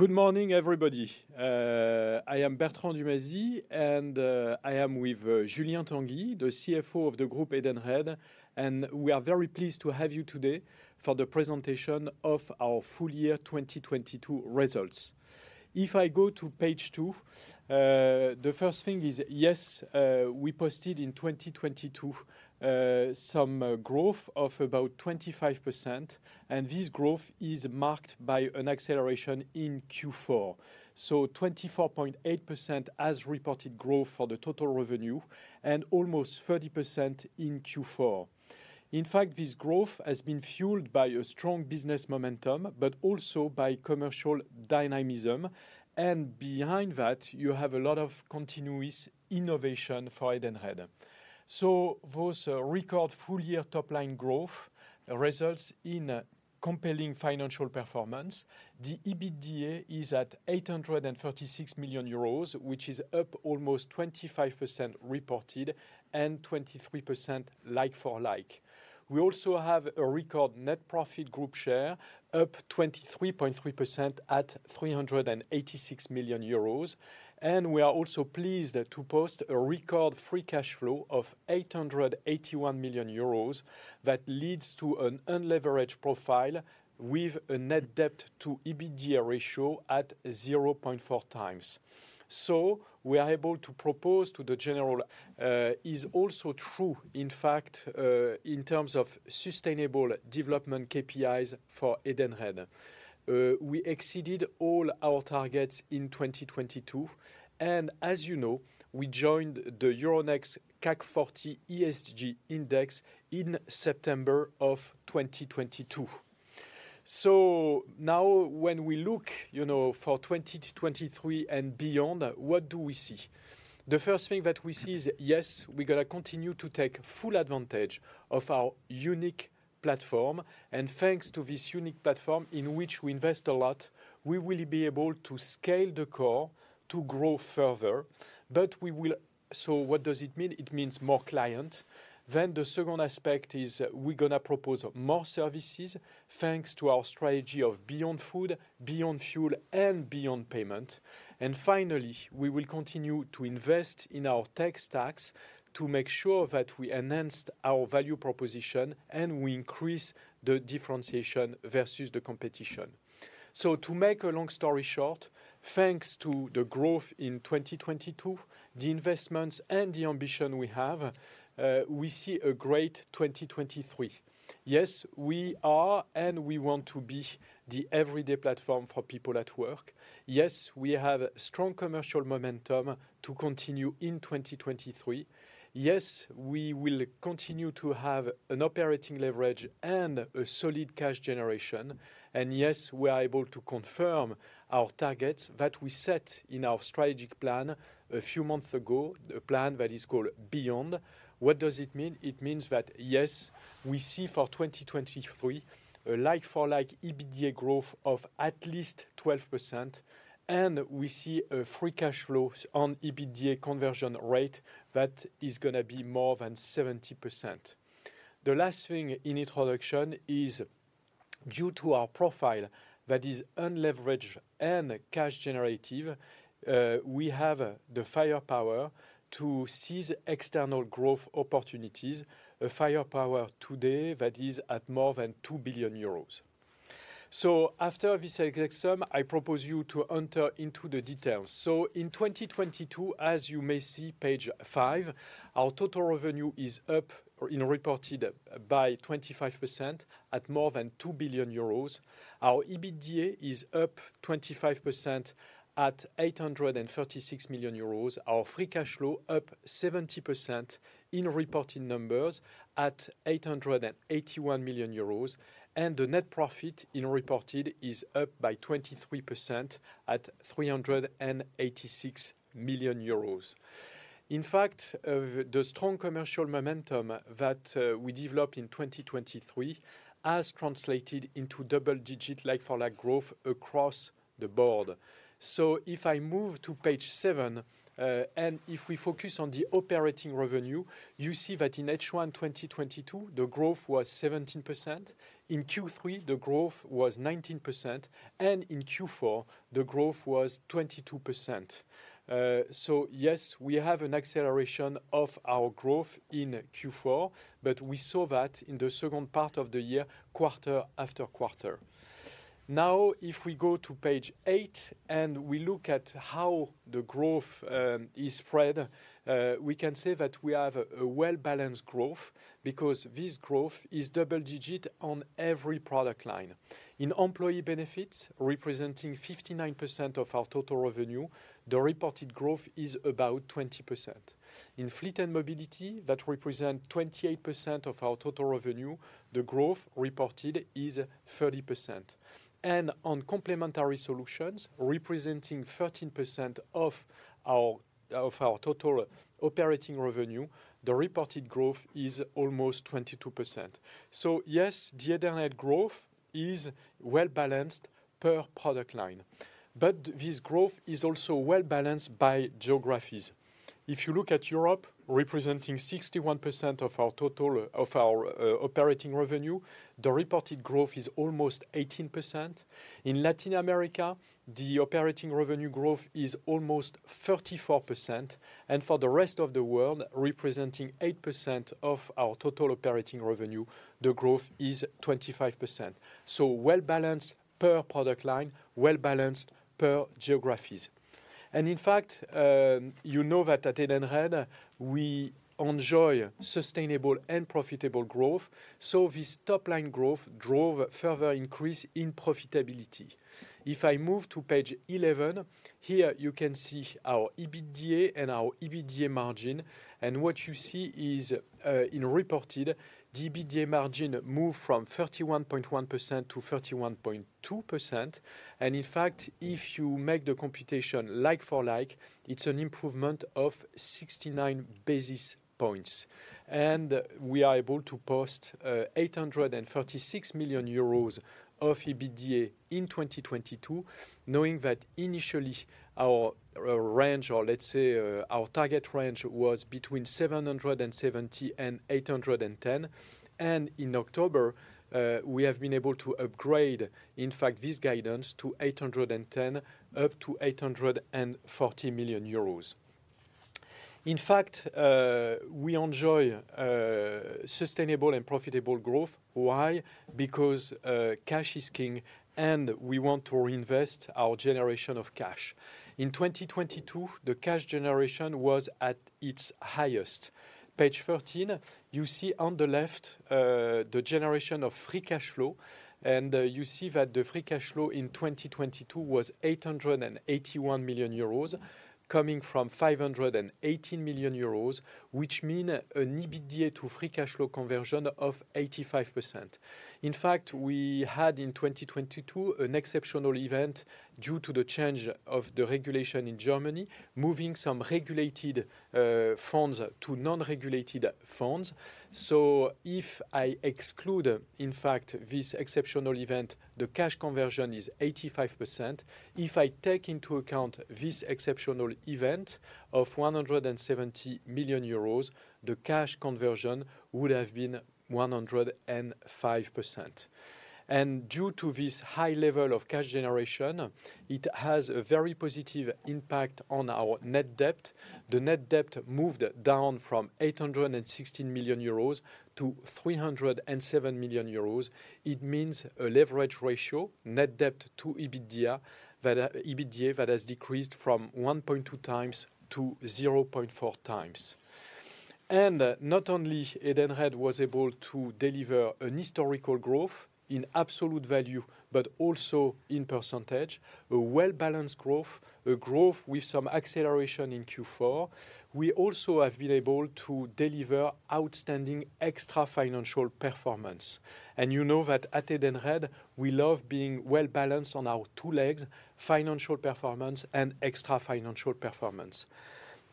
Good morning, everybody. I am Bertrand Dumazy, I am with Julien Tanguy, the CFO of Groupe Edenred. We are very pleased to have you today for the presentation of our full year 2022 results. If I go to page two, the first thing is, yes, we posted in 2022 some growth of about 25%. This growth is marked by an acceleration in Q4. 24.8% as reported growth for the total revenue and almost 30% in Q4. In fact, this growth has been fueled by a strong business momentum, also by commercial dynamism. Behind that, you have a lot of continuous innovation for Edenred. Those record full year top line growth results in a compelling financial performance. The EBITDA is at 836 million euros, which is up almost 25% reported and 23% like for like. We also have a record net profit group share, up 23.3% at 386 million euros. We are also pleased to post a record free cash flow of 881 million euros that leads to an unleveraged profile with a net debt to EBITDA ratio at 0.4x. We are able to propose to the general, is also true, in fact, in terms of sustainable development KPIs for Edenred. We exceeded all our targets in 2022. As you know, we joined the Euronext CAC 40 ESG index in September of 2022. Now when we look, you know, for 2023 and beyond, what do we see? The first thing that we see is, yes, we're gonna continue to take full advantage of our unique platform. Thanks to this unique platform in which we invest a lot, we will be able to scale the core to grow further. What does it mean? It means more client. The second aspect is we're gonna propose more services thanks to our strategy of beyond Food, beyond fuel and beyond payment. Finally, we will continue to invest in our tech stacks to make sure that we enhanced our value proposition, and we increase the differentiation versus the competition. To make a long story short, thanks to the growth in 2022, the investments and the ambition we have, we see a great 2023. Yes, we are, and we want to be the everyday platform for people at work. Yes, we have strong commercial momentum to continue in 2023. Yes, we will continue to have an operating leverage and a solid cash generation. Yes, we are able to confirm our targets that we set in our strategic plan a few months ago, the plan that is called Beyond. What does it mean? It means that, yes, we see for 2023 a like for like EBITDA growth of at least 12%, and we see a free cash flow on EBITDA conversion rate that is gonna be more than 70%. The last thing in introduction is due to our profile that is unleveraged and cash generative, we have the firepower to seize external growth opportunities, a firepower today that is at more than 2 billion euros. After this exec sum, I propose you to enter into the details. In 2022, as you may see, page five, our total revenue is up in reported by 25% at more than 2 billion euros. Our EBITDA is up 25% at 836 million euros. Our free cash flow up 70% in reported numbers at 881 million euros. The net profit in reported is up by 23% at 386 million euros. The strong commercial momentum that we developed in 2023 has translated into double digit like for like growth across the board. If I move to page seven, if we focus on the operating revenue, you see that in H1 2022, the growth was 17%. In Q3, the growth was 19%, and in Q4, the growth was 22%. Yes, we have an acceleration of our growth in Q4, but we saw that in the second part of the year, quarter-after-quarter. If we go to page eight and we look at how the growth is spread, we can say that we have a well-balanced growth because this growth is double digit on every product line. In employee benefits, representing 59% of our total revenue, the reported growth is about 20%. In fleet and mobility, that represent 28% of our total revenue, the growth reported is 30%. On complementary solutions, representing 13% of our total operating revenue, the reported growth is almost 22%. Yes, the Edenred growth is well balanced per product line, but this growth is also well balanced by geographies. If you look at Europe, representing 61% of our total, of our operating revenue, the reported growth is almost 18%. In Latin America, the operating revenue growth is almost 34%. For the rest of the world, representing 8% of our total operating revenue, the growth is 25%. Well balanced per product line, well balanced per geographies. In fact, you know that at Edenred we enjoy sustainable and profitable growth. This top-line growth drove further increase in profitability. If I move to page 11, here you can see our EBITDA and our EBITDA margin. What you see is, in reported, the EBITDA margin moved from 31.1%-31.2%. In fact, if you make the computation like for like, it's an improvement of 69 basis points. We are able to post 836 million euros of EBITDA in 2022, knowing that initially our range or let's say, our target range was between 770 million and 810 million. In October, we have been able to upgrade, in fact this guidance to 810 million up to 840 million euros. In fact, we enjoy sustainable and profitable growth. Why? Because cash is king, and we want to reinvest our generation of cash. In 2022, the cash generation was at its highest. Page 13, you see on the left, the generation of free cash flow. You see that the free cash flow in 2022 was 881 million euros, coming from 580 million euros, which mean an EBITDA to free cash flow conversion of 85%. In fact, we had in 2022 an exceptional event due to the change of the regulation in Germany, moving some regulated funds to non-regulated funds. If I exclude, in fact, this exceptional event, the cash conversion is 85%. If I take into account this exceptional event of 170 million euros, the cash conversion would have been 105%. Due to this high level of cash generation, it has a very positive impact on our net debt. The net debt moved down from 816 million-307 million euros. It means a leverage ratio, net debt to EBITDA that EBITDA has decreased from 1.2x to 0.4x. Not only Edenred was able to deliver an historical growth in absolute value, but also in percentage. A well-balanced growth, with some acceleration in Q4. We also have been able to deliver outstanding extra financial performance. You know that at Edenred we love being well balanced on our two legs, financial performance and extra financial performance.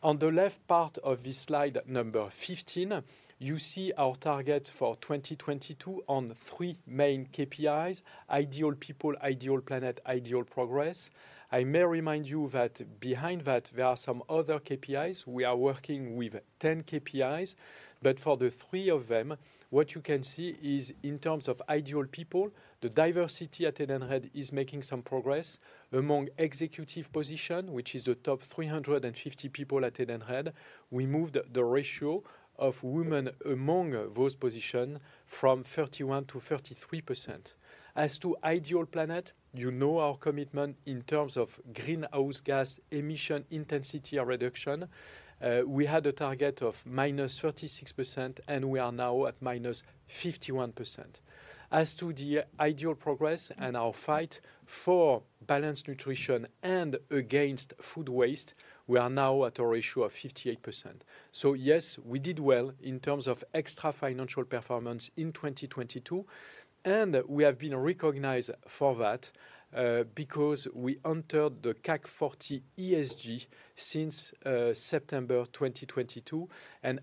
On the left part of this slide number 15, you see our target for 2022 on three main KPIs: Ideal People, Ideal Planet, Ideal Progress. I may remind you that behind that there are some other KPIs. We are working with 10 KPIs, but for the three of them, what you can see is in terms of Ideal People, the diversity at Edenred is making some progress. Among executive position, which is the top 350 people at Edenred, we moved the ratio of women among those position from 31%-33%. As to Ideal Planet, you know our commitment in terms of greenhouse gas emission intensity reduction. We had a target of -36%, and we are now at -51%. As to the Ideal Progress and our fight for balanced nutrition and against food waste, we are now at a ratio of 58%. Yes, we did well in terms of extra financial performance in 2022, and we have been recognized for that, because we entered the CAC 40 ESG since September 2022.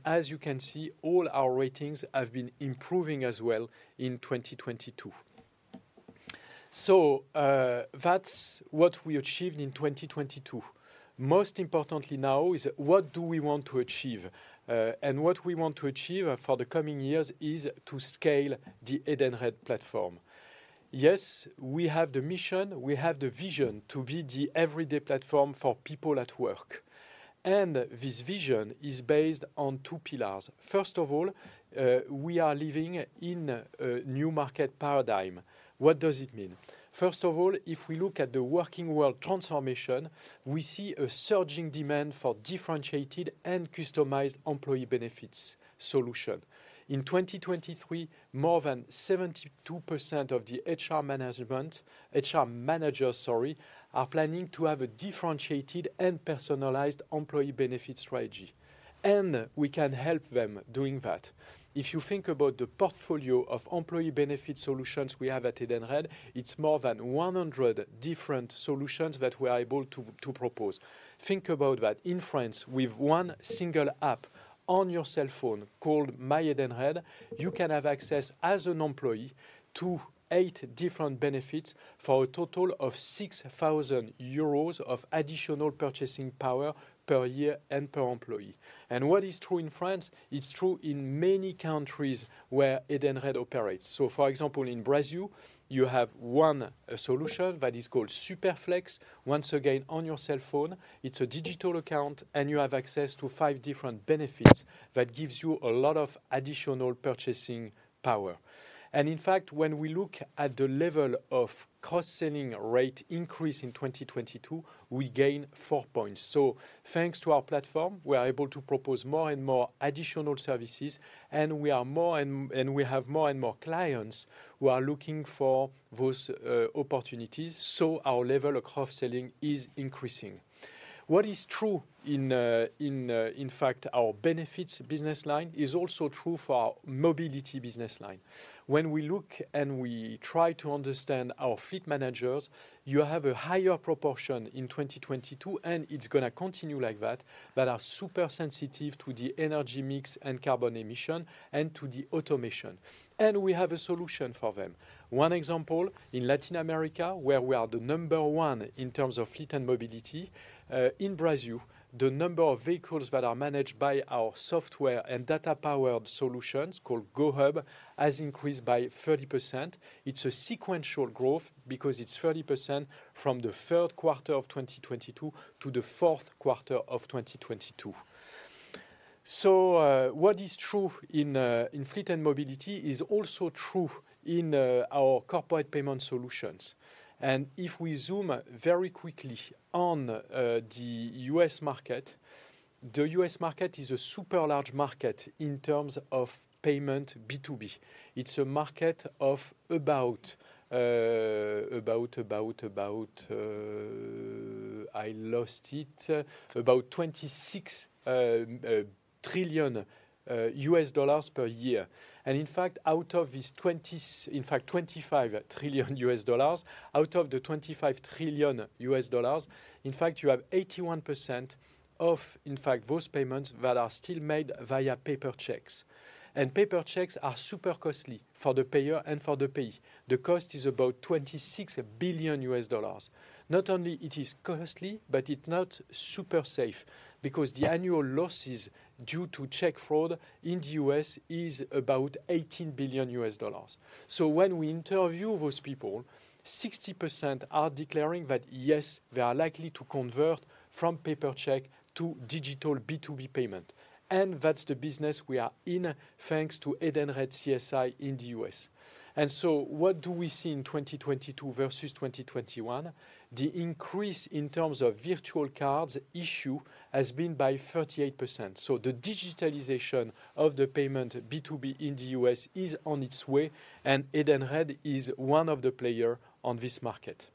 As you can see, all our ratings have been improving as well in 2022. That's what we achieved in 2022. Most importantly now is what do we want to achieve? What we want to achieve for the coming years is to scale the Edenred platform. Yes, we have the mission, we have the vision to be the everyday platform for people at work. This vision is based on two pillars. First of all, we are living in a new market paradigm. What does it mean? First of all, if we look at the working world transformation, we see a surging demand for differentiated and customized employee benefits solution. In 2023, more than 72% of the HR managers, sorry, are planning to have a differentiated and personalized employee benefit strategy. We can help them doing that. If you think about the portfolio of employee benefit solutions we have at Edenred, it's more than 100 different solutions that we're able to propose. Think about that. In France, we've one single app on your cell phone called My Edenred. You can have access as an employee to eight different benefits for a total of 6,000 euros of additional purchasing power per year and per employee. What is true in France, it's true in many countries where Edenred operates. For example, in Brazil, you have one solution that is called Superflex. Once again, on your cell phone, it's a digital account, and you have access to five different benefits that gives you a lot of additional purchasing power. In fact, when we look at the level of cross-selling rate increase in 2022, we gain four points. Thanks to our platform, we are able to propose more and more additional services, and we have more and more clients who are looking for those opportunities, so our level of cross-selling is increasing. What is true in fact our benefits business line is also true for our mobility business line. When we look and we try to understand our fleet managers, you have a higher proportion in 2022, and it's gonna continue like that are super sensitive to the energy mix and carbon emission and to the automation. We have a solution for them. One example, in Latin America, where we are the number one in terms of fleet and mobility in Brazil, the number of vehicles that are managed by our software and data-powered solutions called GoHub has increased by 30%. It's a sequential growth because it's 30% from the Q3 of 2022 to the Q4 of 2022. What is true in fleet and mobility is also true in our corporate payment solutions. If we zoom very quickly on the U.S. market, the U.S. market is a super large market in terms of payment B2B. It's a market of about $26 trillion per year. In fact, $25 trillion, out of the $25 trillion, in fact you have 81% of in fact those payments that are still made via paper checks. Paper checks are super costly for the payer and for the payee. The cost is about $26 billion. Not only it is costly, but it not super safe because the annual losses due to check fraud in the U.S. is about $18 billion. When we interview those people, 60% are declaring that, yes, they are likely to convert from paper check to digital B2B payment. That's the business we are in, thanks to Edenred CSI in the U.S. What do we see in 2022 versus 2021? The increase in terms of virtual cards issue has been by 38%, so the digitalization of the payment B2B in the U.S. is on its way, and Edenred is one of the player on this market.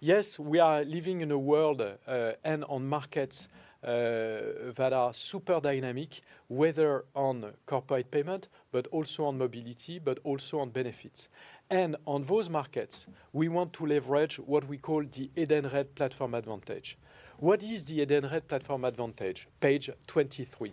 Yes, we are living in a world and on markets that are super dynamic, whether on corporate payment, but also on mobility, but also on benefits. On those markets, we want to leverage what we call the Edenred platform advantage. What is the Edenred platform advantage? Page 23.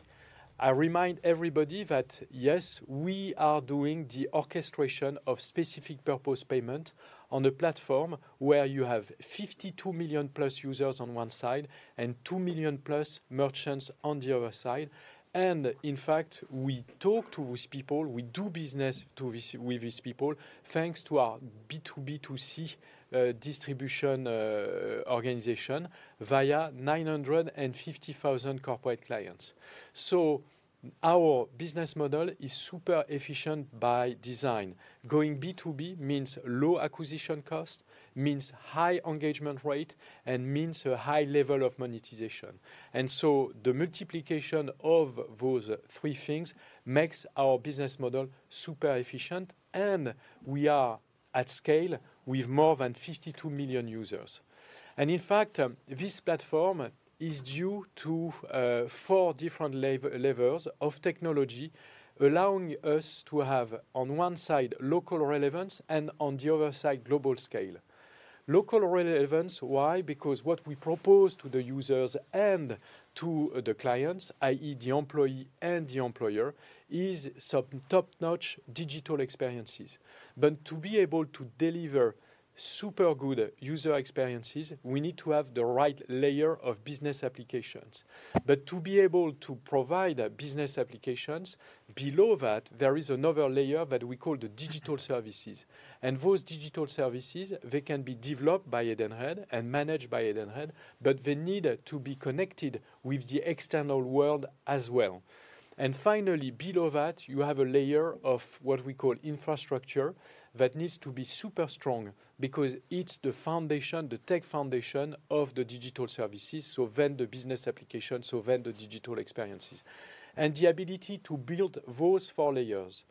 I remind everybody that, yes, we are doing the orchestration of specific purpose payment on a platform where you have 52 million+ users on one side and 2 million+ merchants on the other side. In fact, we talk to these people, we do business with these people, thanks to our B2B2C distribution organization via 950,000 corporate clients. Our business model is super efficient by design. Going B2B means low acquisition cost, means high engagement rate, and means a high level of monetization. The multiplication of those three things makes our business model super efficient, and we are at scale with more than 52 million users. In fact, this platform is due to four different levels of technology, allowing us to have, on one side, local relevance and on the other side, global scale. Local relevance, why? What we propose to the users and to the clients, i.e. the employee and the employer, is some top-notch digital experiences. To be able to deliver super good user experiences, we need to have the right layer of business applications. To be able to provide business applications, below that, there is another layer that we call the digital services. Those digital services, they can be developed by Edenred and managed by Edenred, but they need to be connected with the external world as well. Finally, below that, you have a layer of what we call infrastructure that needs to be super strong because it's the foundation, the tech foundation of the digital services, so then the business applications, so then the digital experiences. The ability to build those four layers.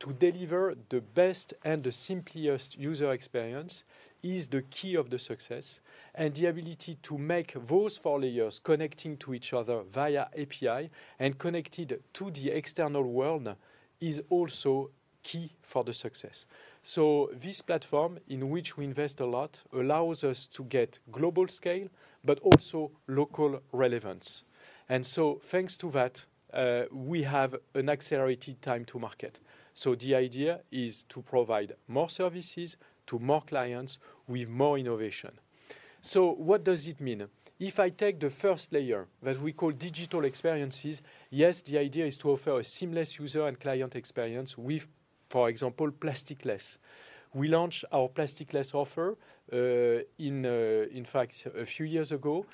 To deliver the best and the simplest user experience is the key of the success, and the ability to make those four layers connecting to each other via API and connected to the external world is also key for the success. This platform, in which we invest a lot, allows us to get global scale but also local relevance. Thanks to that, we have an accelerated time to market. The idea is to provide more services to more clients with more innovation. What does it mean? If I take the first layer that we call digital experiences, yes, the idea is to offer a seamless user and client experience with, for example, plastic-less. We launched our plastic-less offer, in fact a few years ago.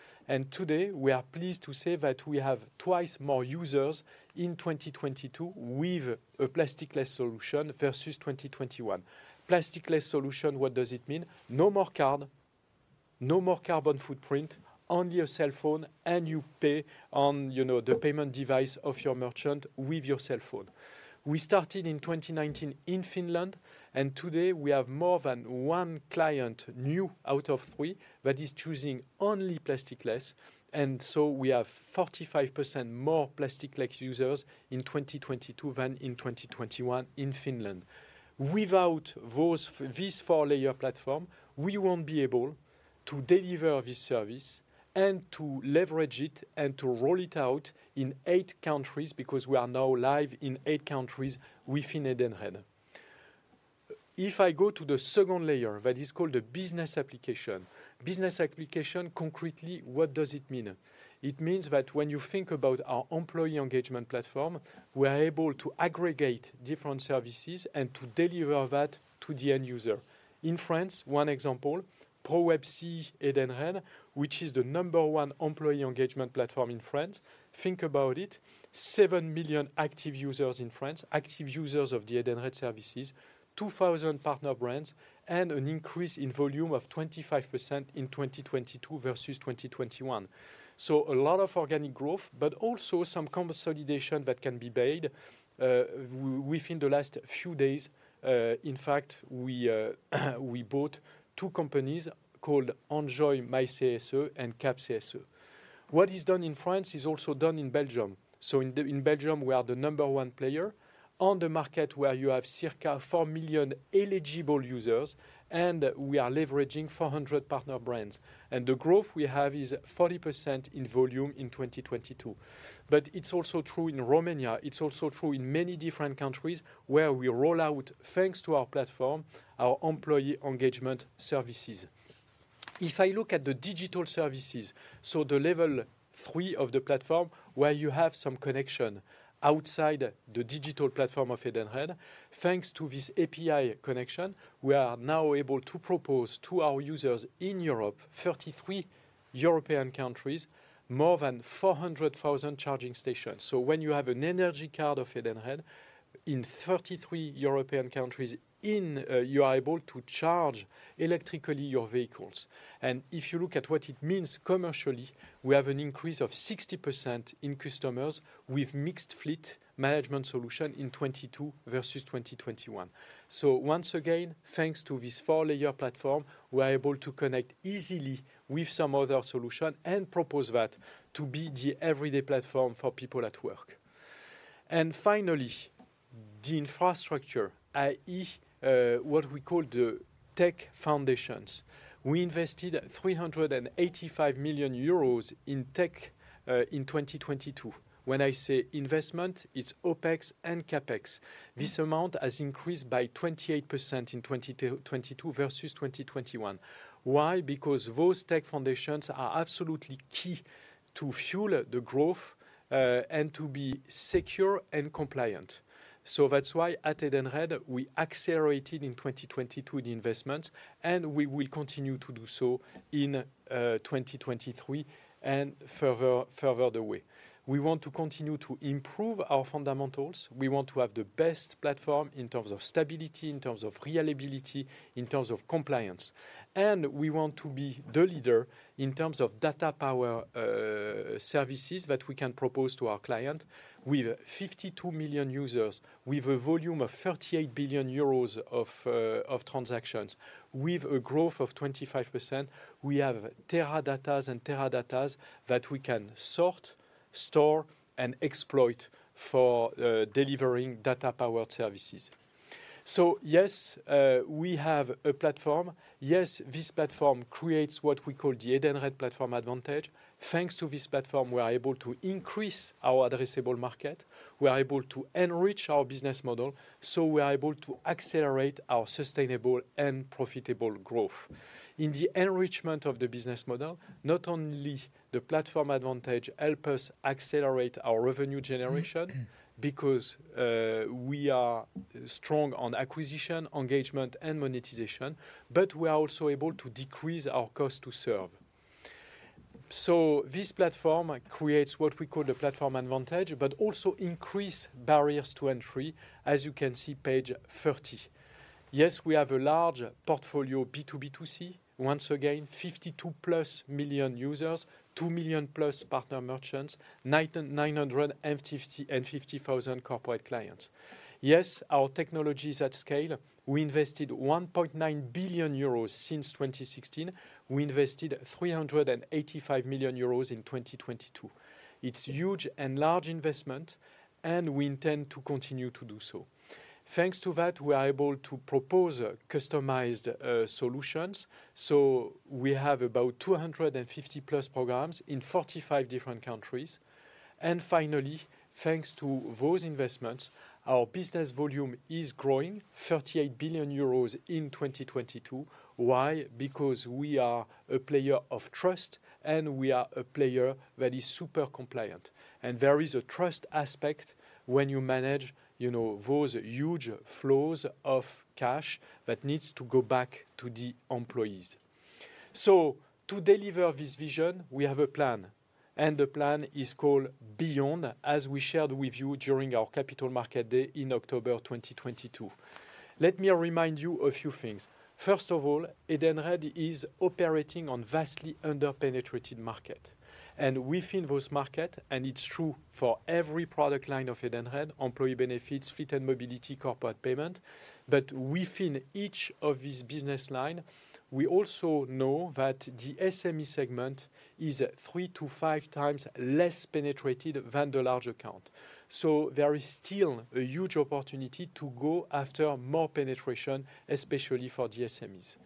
Today we are pleased to say that we have twice more users in 2022 with a plastic-less solution versus 2021. Plastic-less solution, what does it mean? No more card, no more carbon footprint, only a cell phone, and you pay on, you know, the payment device of your merchant with your cell phone. We started in 2019 in Finland, today we have more than one client, new out of three, that is choosing only plastic-less. We have 45% more plastic-less users in 2022 than in 2021 in Finland. Without this four-layer platform, we won't be able to deliver this service and to leverage it and to roll it out in eight countries, because we are now live in eight countries within Edenred. If I go to the second layer, that is called a business application. Business application, concretely, what does it mean? It means that when you think about our employee engagement platform, we are able to aggregate different services and to deliver that to the end user. In France, one example, ProwebCE Edenred, which is the number one employee engagement platform in France. Think about it, seven million active users in France, active users of the Edenred services, 2,000 partner brands, and an increase in volume of 25% in 2022 versus 2021. A lot of organic growth, but also some consolidation that can be made within the last few days. In fact, we bought two companies called Enjoy MyCSE and CAP CSE. What is done in France is also done in Belgium. In Belgium, we are the number one player on the market where you have circa four million eligible users, and we are leveraging 400 partner brands. The growth we have is 40% in volume in 2022. It's also true in Romania. It's also true in many different countries where we roll out, thanks to our platform, our employee engagement services. If I look at the digital services, so the level three of the platform, where you have some connection outside the digital platform of Edenred, thanks to this API connection, we are now able to propose to our users in Europe, 33 European countries, more than 400,000 charging stations. When you have an energy card of Edenred, in 33 European countries, you are able to charge electrically your vehicles. If you look at what it means commercially, we have an increase of 60% in customers with mixed fleet management solution in 2022 versus 2021. Once again, thanks to this four-layer platform, we are able to connect easily with some other solution and propose that to be the everyday platform for people at work. Finally, the infrastructure, i.e., what we call the tech foundations. We invested 385 million euros in tech in 2022. When I say investment, it's OpEx and CapEx. This amount has increased by 28% in 2022 versus 2021. Why? Because those tech foundations are absolutely key to fuel the growth and to be secure and compliant. That's why at Edenred, we accelerated in 2022 the investments, and we will continue to do so in 2023 and further the way. We want to continue to improve our fundamentals. We want to have the best platform in terms of stability, in terms of reliability, in terms of compliance. We want to be the leader in terms of data power services that we can propose to our client. With 52 million users, with a volume of 38 billion euros of transactions, with a growth of 25%, we have tera datas that we can sort, store, and exploit for delivering data-powered services. Yes, we have a platform. Yes, this platform creates what we call the Edenred platform advantage. Thanks to this platform, we are able to increase our addressable market. We are able to enrich our business model, we are able to accelerate our sustainable and profitable growth. In the enrichment of the business model, not only the platform advantage help us accelerate our revenue generation because we are strong on acquisition, engagement, and monetization, but we are also able to decrease our cost to serve. This platform creates what we call the platform advantage, but also increase barriers to entry, as you can see, page 30. We have a large portfolio, B2B2C. Once again, 52+ million users, 2 million+ partner merchants, 950,000 corporate clients. Our technology is at scale. We invested 1.9 billion euros since 2016. We invested 385 million euros in 2022. It's huge and large investment, and we intend to continue to do so. Thanks to that, we are able to propose customized solutions. We have about 250-plus programs in 45 different countries. Finally, thanks to those investments, our business volume is growing 38 billion euros in 2022. Why? Because we are a player of trust, and we are a player that is super compliant. There is a trust aspect when you manage, you know, those huge flows of cash that needs to go back to the employees. To deliver this vision, we have a plan, and the plan is called Beyond, as we shared with you during our Capital Market Day in October 2022. Let me remind you a few things. First of all, Edenred is operating on vastly under-penetrated market. Within this market, and it's true for every product line of Edenred, Employee Benefits, Fleet and Mobility, Corporate Payment. Within each of these business line, we also know that the SME segment is 3x-5x less penetrated than the large account. There is still a huge opportunity to go after more penetration, especially for the SMEs.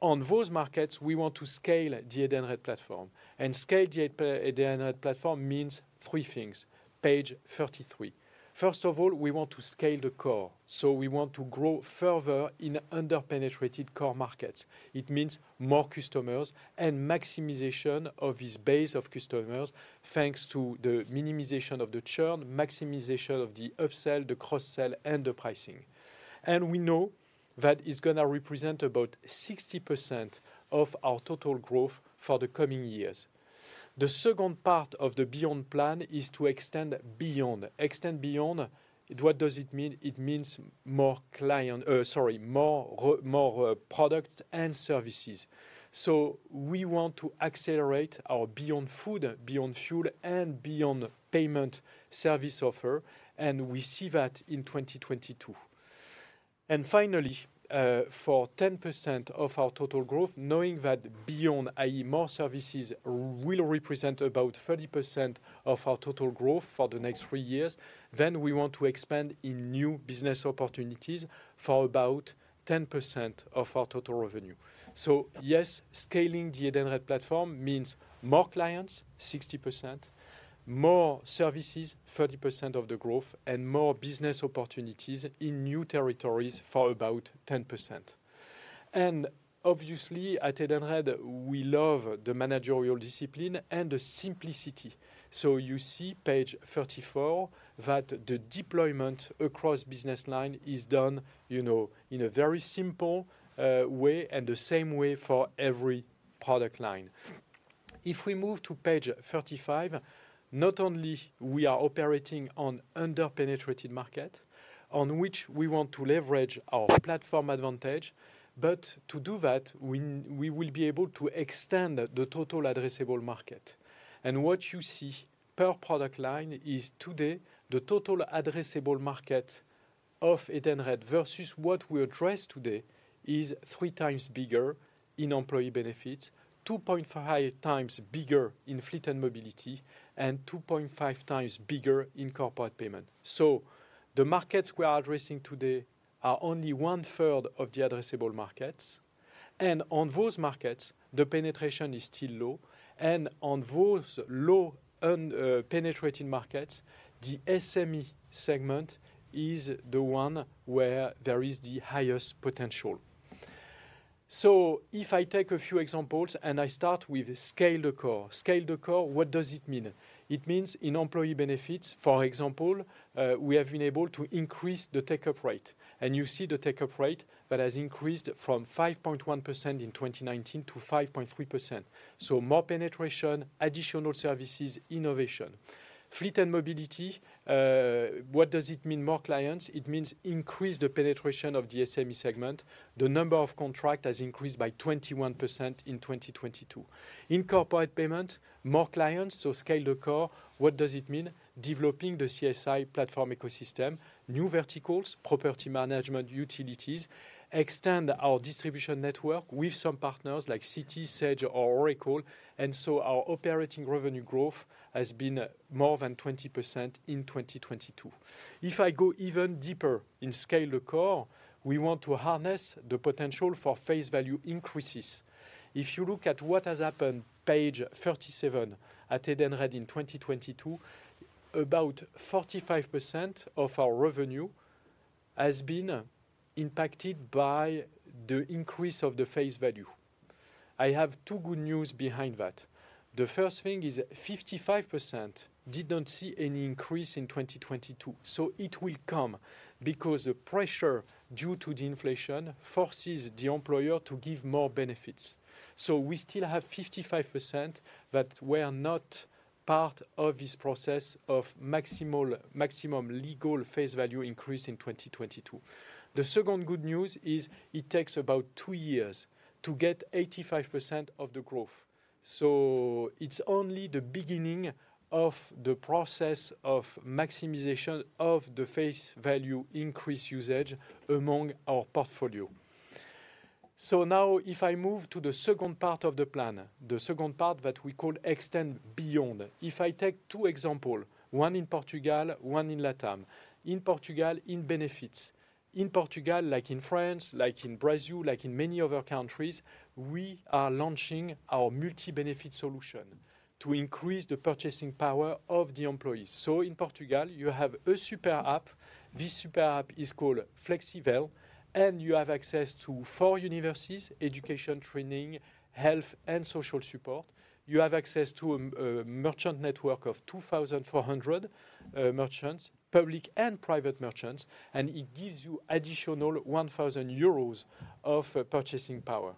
On those markets, we want to scale the Edenred platform. Scale the Edenred platform means three things. Page 33. First of all, we want to scale the core. We want to grow further in under-penetrated core markets. It means more customers and maximization of this base of customers, thanks to the minimization of the churn, maximization of the upsell, the cross-sell, and the pricing. We know that it's gonna represent about 60% of our total growth for the coming years. The second part of the Beyond plan is to extend beyond. Extend beyond, what does it mean? It means more client. Sorry, more, more products and services. We want to accelerate our Beyond food, Beyond fuel, and Beyond payment service offer, and we see that in 2022. For 10% of our total growth, knowing that Beyond, i.e. more services, will represent about 30% of our total growth for the next three years, we want to expand in new business opportunities for about 10% of our total revenue. Yes, scaling the Edenred platform means more clients, 60%, more services, 30% of the growth, and more business opportunities in new territories for about 10%. At Edenred, we love the managerial discipline and the simplicity. You see, page 34, that the deployment across business line is done, you know, in a very simple way and the same way for every product line. If we move to page 35, not only we are operating on under-penetrated market on which we want to leverage our platform advantage, but to do that, we will be able to extend the total addressable market. What you see per product line is today the total addressable market of Edenred versus what we address today is 3x bigger in Employee Benefits, 2.5x bigger in Fleet and Mobility, and 2.5x bigger in Corporate Payment. The markets we are addressing today are only 1/3 of the addressable markets. On those markets, the penetration is still low. On those low penetrated markets, the SME segment is the one where there is the highest potential. If I take a few examples, and I start with scale the core. Scale the core, what does it mean? It means in Employee Benefits, for example, we have been able to increase the take-up rate, and you see the take-up rate that has increased from 5.1% in 2019 to 5.3%. More penetration, additional services, innovation. Fleet and Mobility, what does it mean, more clients? It means increase the penetration of the SME segment. The number of contract has increased by 21% in 2022. In Corporate Payment, more clients, so scale the core. What does it mean? Developing the CSI platform ecosystem, new verticals, property management, utilities, extend our distribution network with some partners like Citi, Sage or Oracle. Our operating revenue growth has been more than 20% in 2022. If I go even deeper in scale the core, we want to harness the potential for face value increases. If you look at what has happened, page 37, at Edenred in 2022, about 45% of our revenue has been impacted by the increase of the face value. I have two good news behind that. The first thing is 55% did not see any increase in 2022, so it will come because the pressure due to the inflation forces the employer to give more benefits. We still have 55% that were not part of this process of maximum legal face value increase in 2022. The second good news is it takes about two years to get 85% of the growth. It's only the beginning of the process of maximization of the face value increase usage among our portfolio. Now if I move to the second part of the plan, the second part that we call extend Beyond. I take two example, one in Portugal, one in Latam. Portugal, in benefits. Portugal, like in France, like in Brazil, like in many other countries, we are launching our multi-benefit solution to increase the purchasing power of the employees. In Portugal you have a super app. This super app is called Flexível, you have access to four universes: education, training, health, and social support. You have access to a merchant network of 2,400 merchants, public and private merchants, it gives you additional 1,000 euros of purchasing power.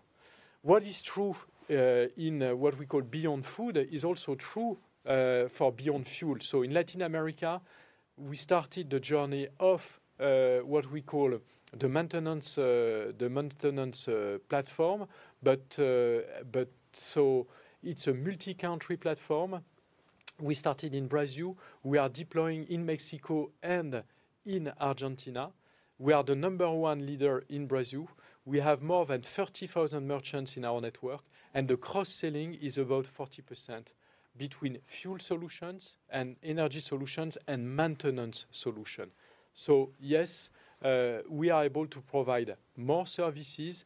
What is true in what we call beyond food is also true for beyond fuel. In Latin America, we started the journey of what we call the maintenance platform. It's a multi-country platform we started in Brazil. We are deploying in Mexico and in Argentina. We are the number one leader in Brazil. We have more than 30,000 merchants in our network, the cross-selling is about 40% between fuel solutions and energy solutions and maintenance solution. Yes, we are able to provide more services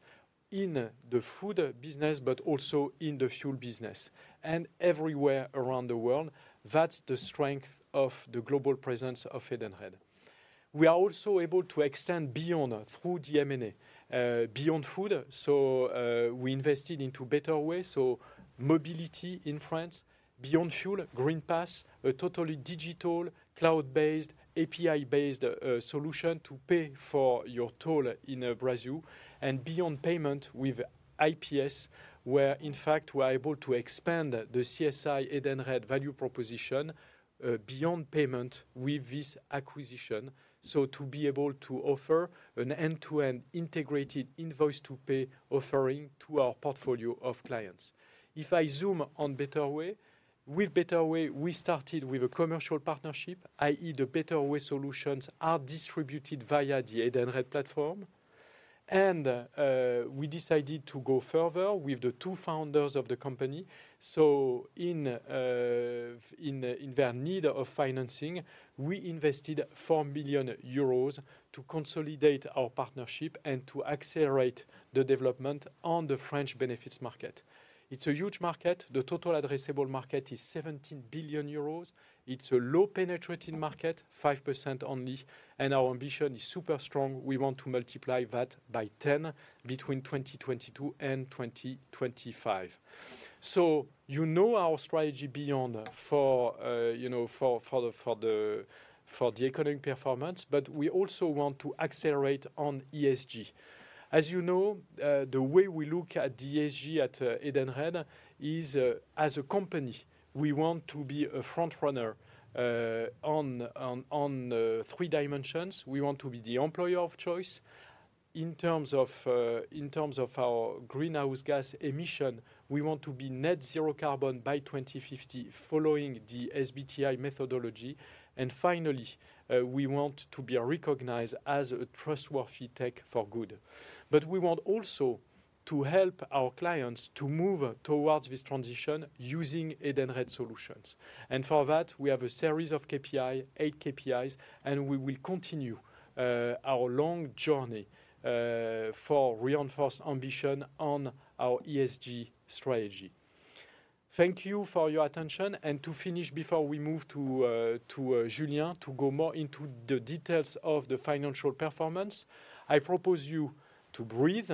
in the Food business, but also in the Fuel business and everywhere around the world. That's the strength of the global presence of Edenred. We are also able to extend Beyond through the M&A, Beyond Food. We invested into Betterway, so mobility in France. Beyond Fuel, Green Pass, a totally digital cloud-based, API-based solution to pay for your toll in Brazil and beyond payment with IPS, where in fact, we're able to expand the CSI Edenred value proposition, beyond payment with this acquisition. To be able to offer an end-to-end integrated invoice to pay offering to our portfolio of clients. If I zoom on Betterway. With Betterway we started with a commercial partnership, i.e. the Betterway solutions are distributed via the Edenred platform. We decided to go further with the two founders of the company. In their need of financing, we invested 4 million euros to consolidate our partnership and to accelerate the development on the French benefits market. It's a huge market. The total addressable market is 17 billion euros. It's a low penetrating market, 5% only, and our ambition is super strong. We want to multiply that by 10 between 2022 and 2025. You know our strategy Beyond for you know for the economic performance, but we also want to accelerate on ESG. As you know, the way we look at ESG at Edenred is, as a company, we want to be a front runner, on three dimensions. We want to be the employer of choice. In terms of, in terms of our greenhouse gas emission, we want to be net zero carbon by 2050 following the SBTi methodology. Finally, we want to be recognized as a trustworthy tech for good. We want also to help our clients to move towards this transition using Edenred solutions. For that, we have a series of KPI, eight KPIs, and we will continue our long journey for reinforced ambition on our ESG strategy. Thank you for your attention. To finish, before we move to Julien Tanguy, to go more into the details of the financial performance, I propose you to breathe,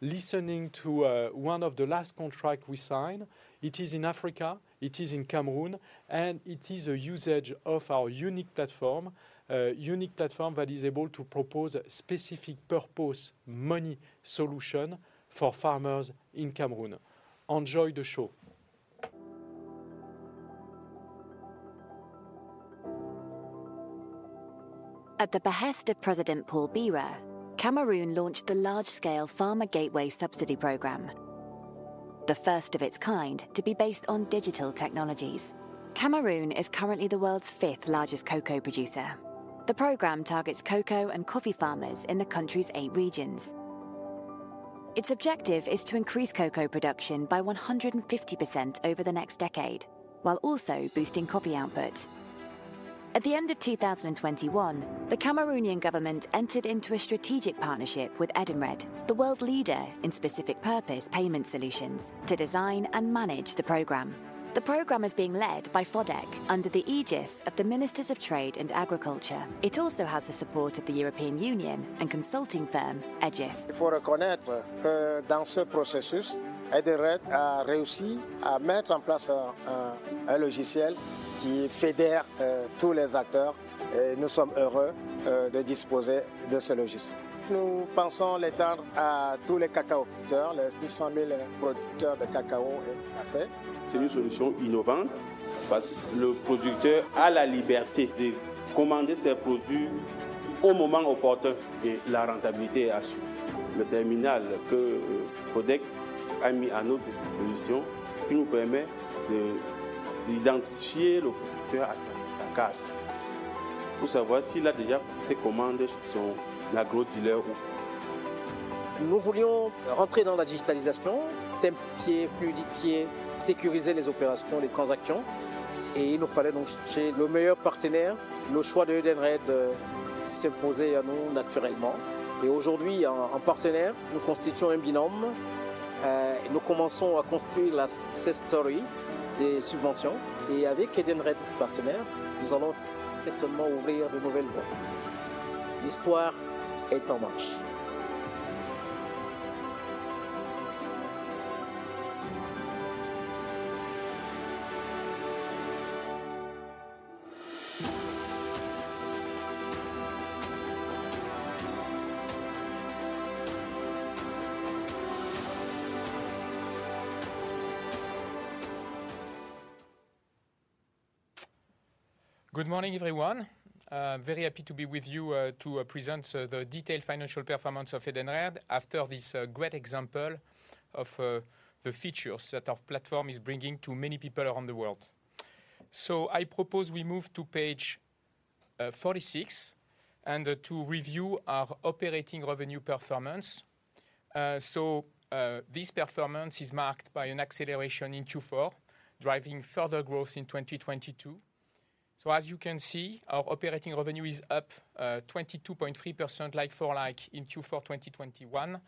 listening to one of the last contract we sign. It is in Africa, it is in Cameroon, and it is a usage of our unique platform. A unique platform that is able to propose specific purpose money solution for farmers in Cameroon. Enjoy the show. At the behest of President Paul Biya, Cameroon launched the large-scale Farmer Gateway subsidy program, the first of its kind to be based on digital technologies. Cameroon is currently the world's fifth-largest cocoa producer. The program targets cocoa and coffee farmers in the country's eight regions. Its objective is to increase cocoa production by 150% over the next decade, while also boosting coffee output. At the end of 2021, the Cameroonian government entered into a strategic partnership with Edenred, the world leader in specific purpose payment solutions to design and manage the program. The program is being led by FODECC under the aegis of the Ministers of Trade and Agriculture. It also has the support of the European Union and consulting firm, Aegis. Good morning, everyone. Very happy to be with you to present the detailed financial performance of Edenred after this great example of the features that our platform is bringing to many people around the world. I propose we move to page 46 and to review our operating revenue performance. This performance is marked by an acceleration in Q4, driving further growth in 2022. As you can see, our operating revenue is up 22.3% like-for-like in Q4 2021,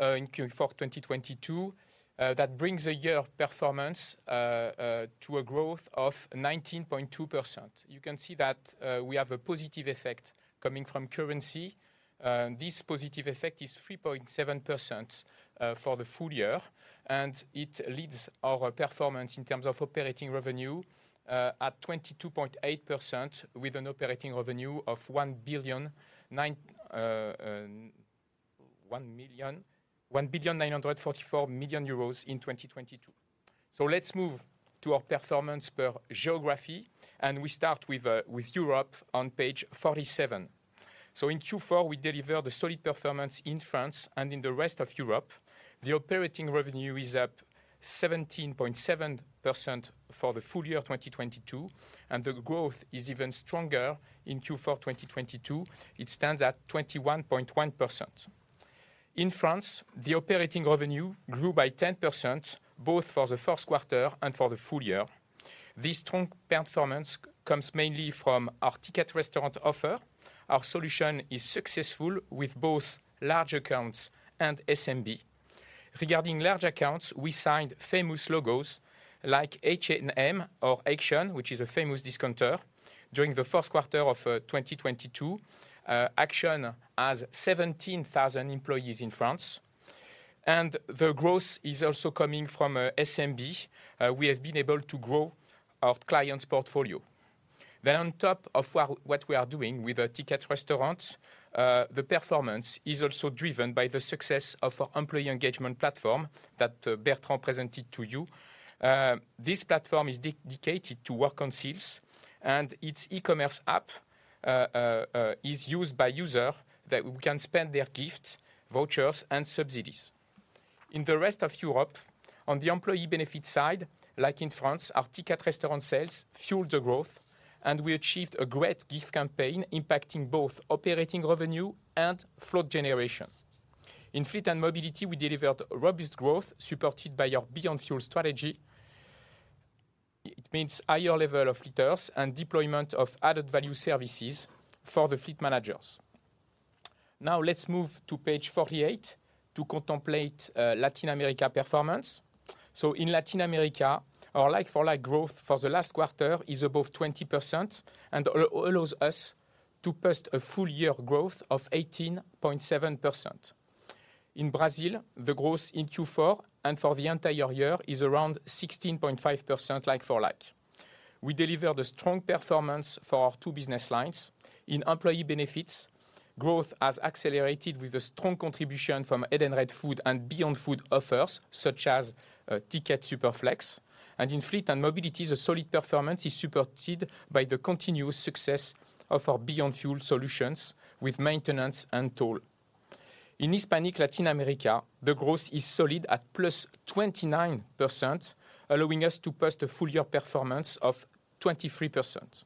in Q4 2022. That brings a year of performance to a growth of 19.2%. You can see that we have a positive effect coming from currency, and this positive effect is 3.7% for the full year. It leads our performance in terms of operating revenue at 22.8% with an operating revenue of 1,944 million in 2022. Let's move to our performance per geography, and we start with Europe on page 47. In Q4, we delivered a solid performance in France and in the rest of Europe. The operating revenue is up 17.7% for the full year of 2022. The growth is even stronger in Q4 2022. It stands at 21.1%. In France, the operating revenue grew by 10% both for the Q1 and for the full year. This strong performance comes mainly from our Ticket Restaurant offer. Our solution is successful with both large accounts and SMB. Regarding large accounts, we signed famous logos like H&M or Action, which is a famous discounter during the Q1 of 2022. Action has 17,000 employees in France, and the growth is also coming from SMB. We have been able to grow our clients' portfolio. On top of what we are doing with our Ticket Restaurants, the performance is also driven by the success of our employee engagement platform that Bertrand presented to you. This platform is dedicated to work on sales, and its e-commerce app is used by user that we can spend their gifts, vouchers and subsidies. In the rest of Europe, on the employee benefit side, like in France, our Ticket Restaurant sales fueled the growth, and we achieved a great gift campaign impacting both operating revenue and float generation. In fleet and mobility, we delivered robust growth supported by our Beyond Fuel strategy. It means higher level of liters and deployment of added value services for the fleet managers. Let's move to page 48 to contemplate Latin America performance. In Latin America, our like-for-like growth for the last quarter is above 20% and allows us to post a full year growth of 18.7%. In Brazil, the growth in Q4 and for the entire year is around 16.5% like for like. We delivered a strong performance for our two business lines. In employee benefits, growth has accelerated with a strong contribution from Edenred Food and Beyond Food offers such as Ticket Super Flex. In fleet and mobility, the solid performance is supported by the continuous success of our Beyond Fuel solutions with maintenance and toll. In Hispanic Latin America, the growth is solid at +29%, allowing us to post a full year performance of 23%.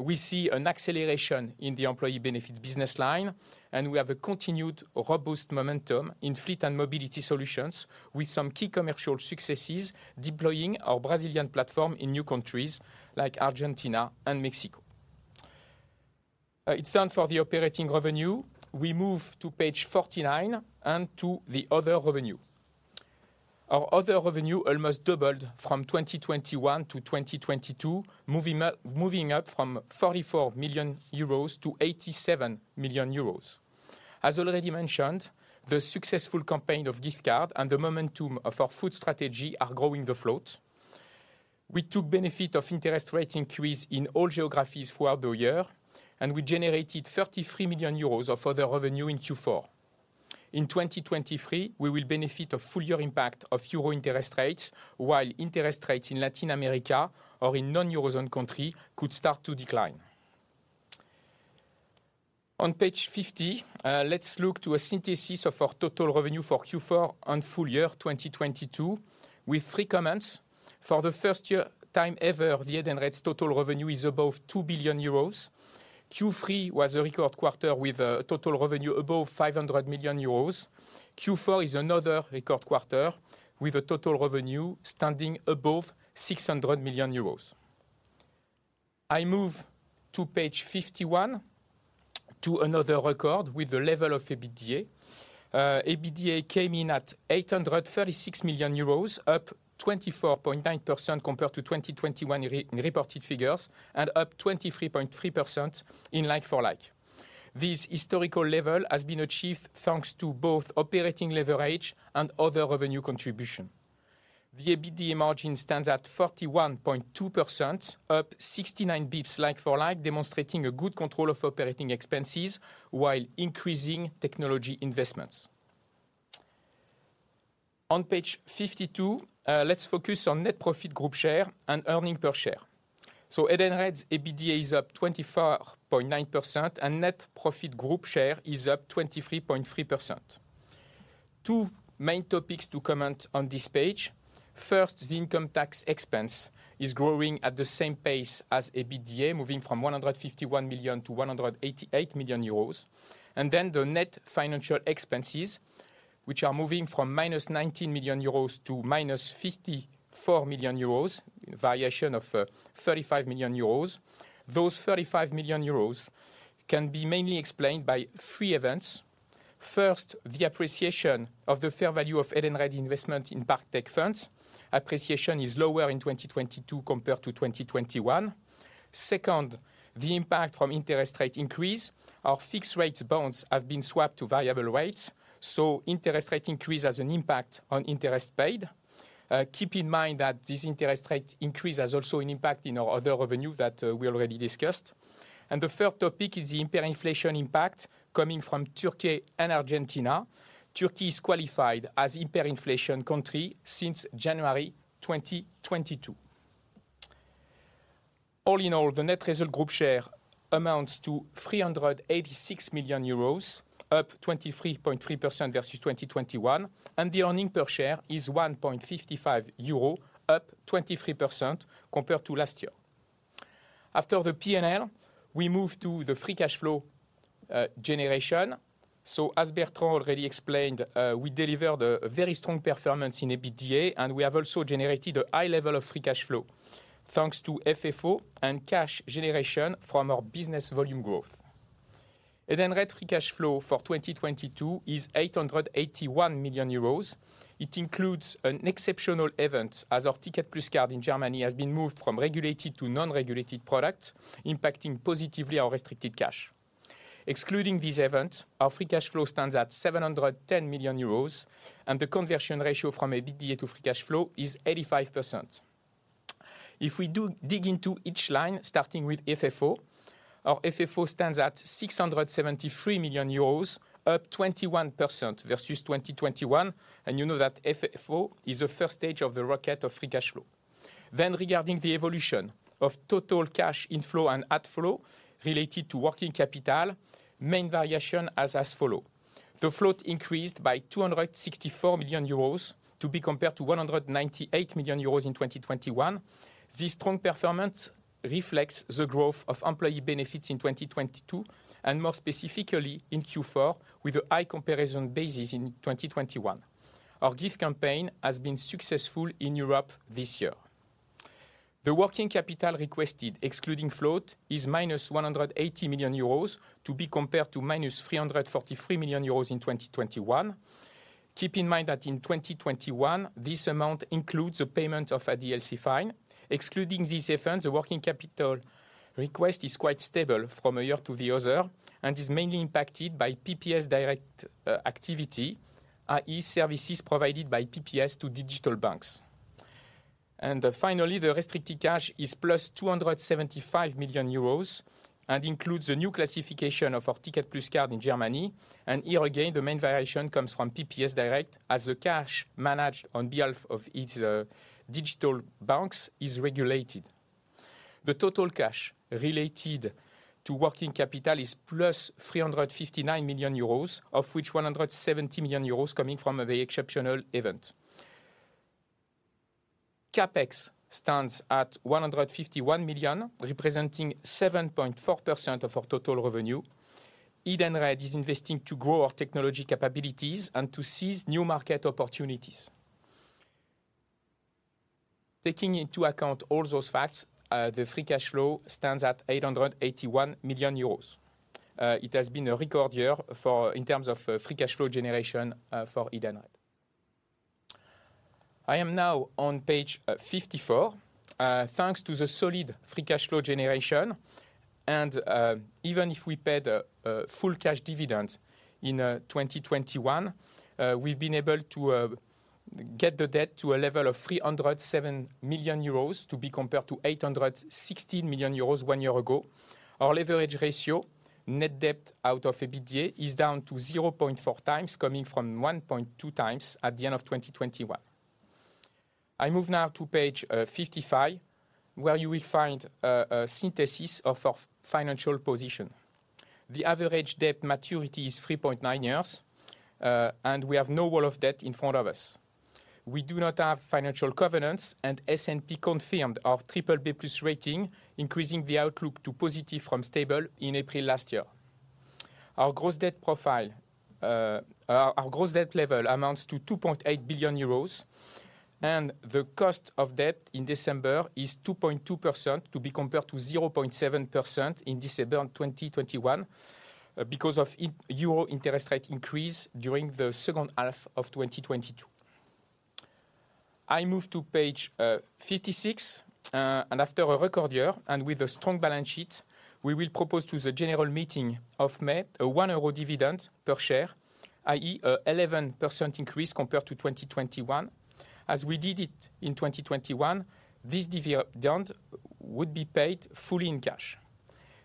We see an acceleration in the employee benefits business line, and we have a continued robust momentum in fleet and mobility solutions with some key commercial successes deploying our Brazilian platform in new countries like Argentina and Mexico. It's time for the operating revenue. We move to page 49 and to the other revenue. Our other revenue almost doubled from 2021-2022, moving up from 44 million euros to 87 million euros. As already mentioned, the successful campaign of gift card and the momentum of our food strategy are growing the float. We took benefit of interest rate increase in all geographies throughout the year, and we generated 33 million euros of other revenue in Q4. In 2023, we will benefit a full year impact of EUR interest rates, while interest rates in Latin America or in non-EUR zone country could start to decline. Page 50, let's look to a synthesis of our total revenue for Q4 and full year 2022 with three comments. For the first time ever, Edenred's total revenue is above 2 billion euros. Q3 was a record quarter with total revenue above 500 million euros. Q4 is another record quarter with a total revenue standing above 600 million euros. I move to page 51 to another record with the level of EBITDA. EBITDA came in at 836 million euros, up 24.9% compared to 2021 re-reported figures and up 23.3% in like for like. This historical level has been achieved thanks to both operating leverage and other revenue contribution. The EBITDA margin stands at 41.2%, up 69 basis points like for like, demonstrating a good control of operating expenses while increasing technology investments. On page 52, let's focus on net profit group share and earnings per share. Edenred's EBITDA is up 24.9%, and net profit group share is up 23.3%. Two main topics to comment on this page. First, the income tax expense is growing at the same pace as EBITDA, moving from 151 million euros-million. The net financial expenses, which are moving from minus 19 million euros to minus 54 million euros, a variation of 35 million euros. Those 35 million euros can be mainly explained by three events. First, the appreciation of the fair value of Edenred investment in Partech funds. Appreciation is lower in 2022 compared to 2021. Second, the impact from interest rate increase. Our fixed rates bonds have been swapped to variable rates. Interest rate increase has an impact on interest paid. Keep in mind that this interest rate increase has also an impact in our other revenue that we already discussed. The third topic is the hyperinflation impact coming from Turkey and Argentina. Turkey is qualified as hyperinflation country since January 2022. All in all, the net result group share amounts to 386 million euros, up 23.3% versus 2021, and the earning per share is 1.55 euro, up 23% compared to last year. After the P&L, we move to the free cash flow generation. As Bertrand already explained, we delivered a very strong performance in EBITDA, and we have also generated a high level of free cash flow, thanks to FFO and cash generation from our business volume growth. Edenred free cash flow for 2022 is 881 million euros. It includes an exceptional event as our Ticket Plus card in Germany has been moved from regulated to non-regulated product, impacting positively our restricted cash. Excluding this event, our free cash flow stands at 710 million euros, and the conversion ratio from EBITDA to free cash flow is 85%. If we do dig into each line, starting with FFO, our FFO stands at 673 million euros, up 21% versus 2021, and you know that FFO is the first stage of the rocket of free cash flow. Regarding the evolution of total cash inflow and outflow related to working capital, main variation as follow. The float increased by 264 million euros to be compared to 198 million euros in 2021. This strong performance reflects the growth of employee benefits in 2022, and more specifically in Q4 with a high comparison basis in 2021. Our gift campaign has been successful in Europe this year. The working capital requested, excluding float, is minus 180 million euros to be compared to minus 343 million euros in 2021. Keep in mind that in 2021, this amount includes a payment of an ADLC fine. Excluding this offense, the working capital request is quite stable from a year to the other and is mainly impacted by PPS direct activity, i.e. services provided by PPS to digital banks. Finally, the restricted cash is + 275 million euros and includes a new classification of our Ticket Plus card in Germany. Here again, the main variation comes from PPS Direct as the cash managed on behalf of its digital banks is regulated. The total cash related to working capital is + 359 million euros, of which 170 million euros coming from the exceptional event. CapEx stands at 151 million, representing 7.4% of our total revenue. Edenred is investing to grow our technology capabilities and to seize new market opportunities. Taking into account all those facts, the free cash flow stands at 881 million euros. It has been a record year in terms of free cash flow generation for Edenred. I am now on page 54. Thanks to the solid free cash flow generation even if we paid a full cash dividend in 2021, we've been able to get the debt to a level of 307 million euros to be compared to 860 million euros one year ago. Our leverage ratio net debt out of EBITDA is down to 0.4x, coming from 1.2x at the end of 2021. I move now to page 55, where you will find a synthesis of our financial position. The average debt maturity is 3.9 years, and we have no wall of debt in front of us. We do not have financial covenants, and S&P confirmed our triple B plus rating, increasing the outlook to positive from stable in April last year. Our gross debt profile. Our gross debt level amounts to 2.8 billion euros. The cost of debt in December is 2.2%, to be compared to 0.7% in December in 2021, because of euro interest rate increase during the H2 of 2022. I move to page 56. After a record year and with a strong balance sheet, we will propose to the general meeting of May a EUR one dividend per share, i.e. an 11% increase compared to 2021. As we did it in 2021, this dividend would be paid fully in cash.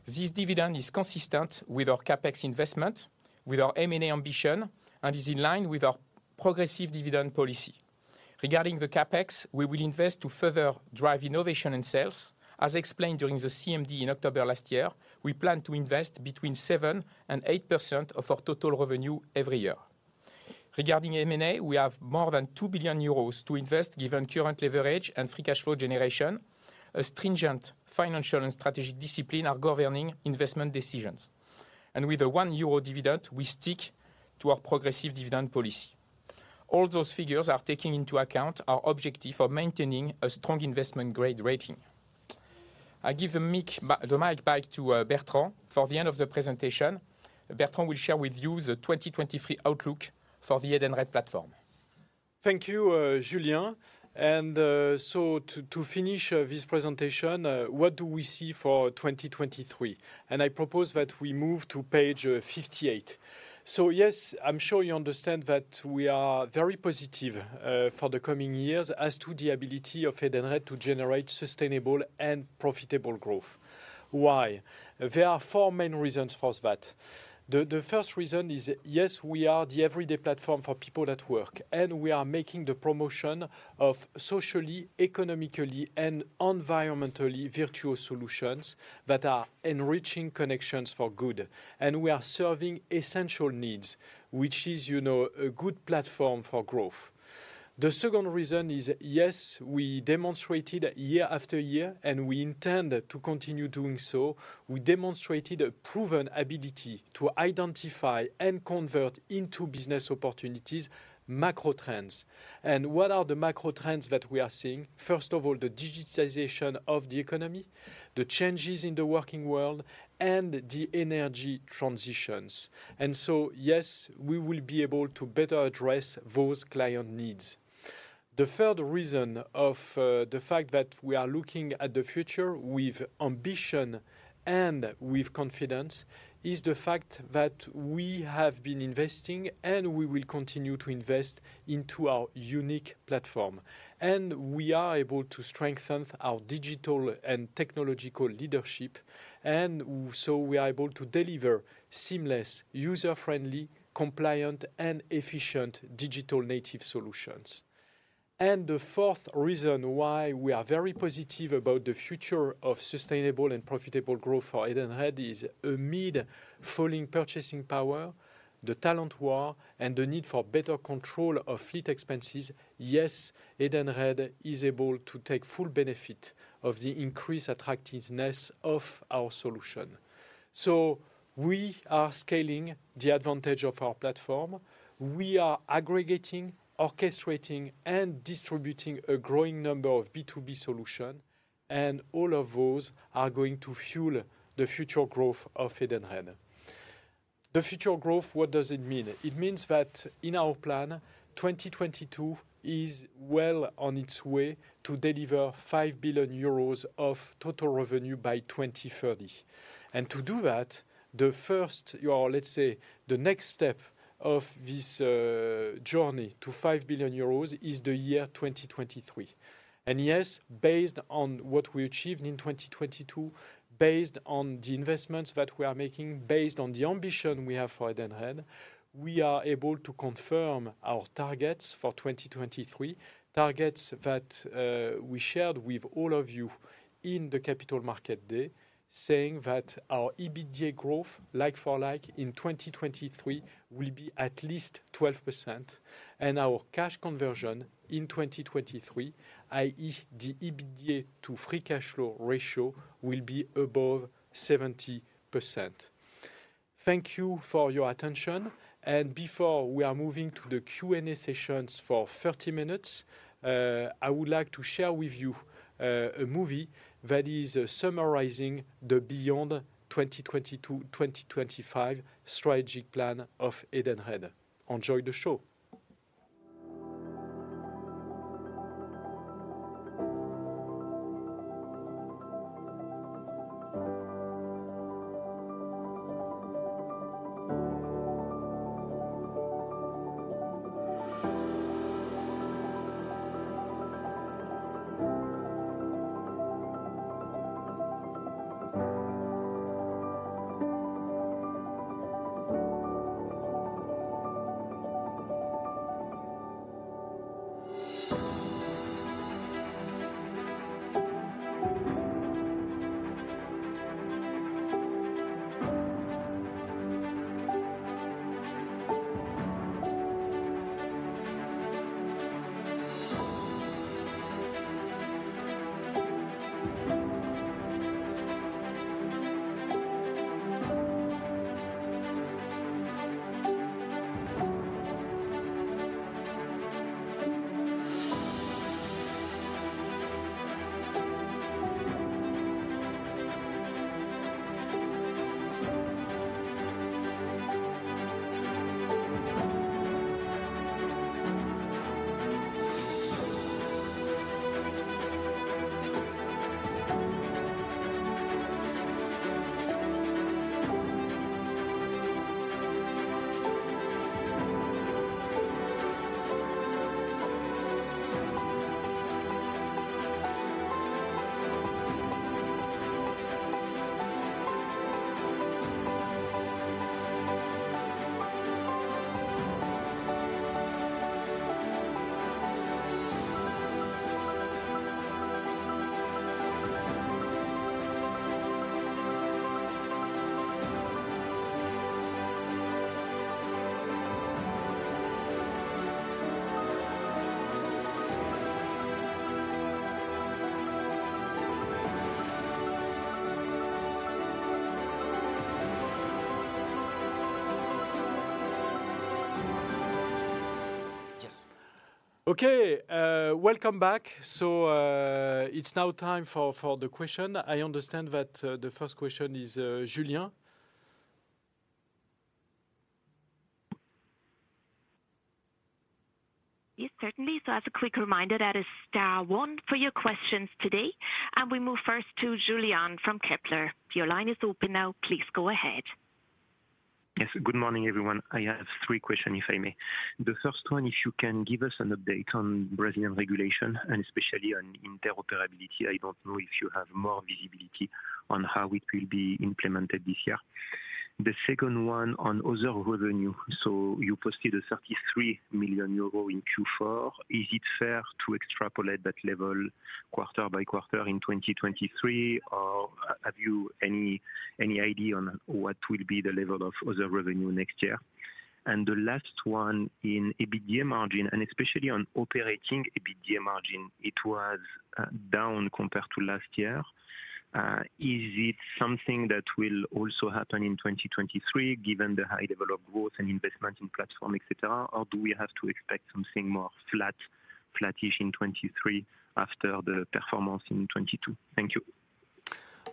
This dividend is consistent with our CapEx investment, with our M&A ambition, is in line with our progressive dividend policy. Regarding the CapEx, we will invest to further drive innovation and sales. As explained during the CMD in October last year, we plan to invest between 7% and 8% of our total revenue every year. Regarding M&A, we have more than 2 billion euros to invest, given current leverage and free cash flow generation. A stringent financial and strategic discipline are governing investment decisions. With a 1 euro dividend, we stick to our progressive dividend policy. All those figures are taking into account our objective of maintaining a strong investment-grade rating. I give the mic back to Bertrand for the end of the presentation. Bertrand will share with you the 2023 outlook for the Edenred platform. Thank you, Julien. To finish this presentation, what do we see for 2023? I propose that we move to page 58. Yes, I'm sure you understand that we are very positive for the coming years as to the ability of Edenred to generate sustainable and profitable growth. Why? There are four main reasons for that. The first reason is, yes, we are the everyday platform for people at work, and we are making the promotion of socially, economically, and environmentally virtuous solutions that are enriching connections for good. We are serving essential needs, which is, you know, a good platform for growth. The second reason is, yes, we demonstrated year-after-year, and we intend to continue doing so. We demonstrated a proven ability to identify and convert into business opportunities, macro trends. What are the macro trends that we are seeing? First of all, the digitization of the economy, the changes in the working world, and the energy transitions. Yes, we will be able to better address those client needs. The third reason of the fact that we are looking at the future with ambition and with confidence is the fact that we have been investing, and we will continue to invest into our unique platform. We are able to strengthen our digital and technological leadership, so we are able to deliver seamless, user-friendly, compliant, and efficient digital native solutions. The fourth reason why we are very positive about the future of sustainable and profitable growth for Edenred is amid falling purchasing power, the talent war, and the need for better control of fleet expenses. Yes, Edenred is able to take full benefit of the increased attractiveness of our solution. We are scaling the advantage of our platform. We are aggregating, orchestrating, and distributing a growing number of B2B solution, and all of those are going to fuel the future growth of Edenred. The future growth, what does it mean? It means that in our plan, 2022 is well on its way to deliver 5 billion euros of total revenue by 2030. To do that, the first year, or let's say the next step of this journey to 5 billion euros, is the year 2023. Yes, based on what we achieved in 2022, based on the investments that we are making, based on the ambition we have for Edenred, we are able to confirm our targets for 2023. Targets that we shared with all of you in the Capital Market Day, saying that our EBITDA growth, like for like in 2023, will be at least 12%. Our cash conversion in 2023, i.e., the EBITDA to free cash flow ratio, will be above 70%. Thank you for your attention. Before we are moving to the Q&A sessions for 30 minutes, I would like to share with you a movie that is summarizing the Beyond 2022-2025 strategic plan of Edenred. Enjoy the show. Yes. Okay, welcome back. It's now time for the question. I understand that the first question is Julien. Yes, certainly. As a quick reminder, that is star one for your questions today. We move first to Julien from Kepler Cheuvreux. Your line is open now, please go ahead. Yes. Good morning, everyone. I have three questions, if I may. The first one, if you can give us an update on Brazilian regulation and especially on interoperability. I don't know if you have more visibility on how it will be implemented this year. The second one on other revenue. You posted 33 million euro in Q4. Is it fair to extrapolate that level quarter-by-quarter in 2023? Have you any idea on what will be the level of other revenue next year? The last one, in EBITDA margin, and especially on operating EBITDA margin, it was down compared to last year. Is it something that will also happen in 2023, given the high level of growth and investment in platform, et cetera? Do we have to expect something more flattish in 2023 after the performance in 2022? Thank you.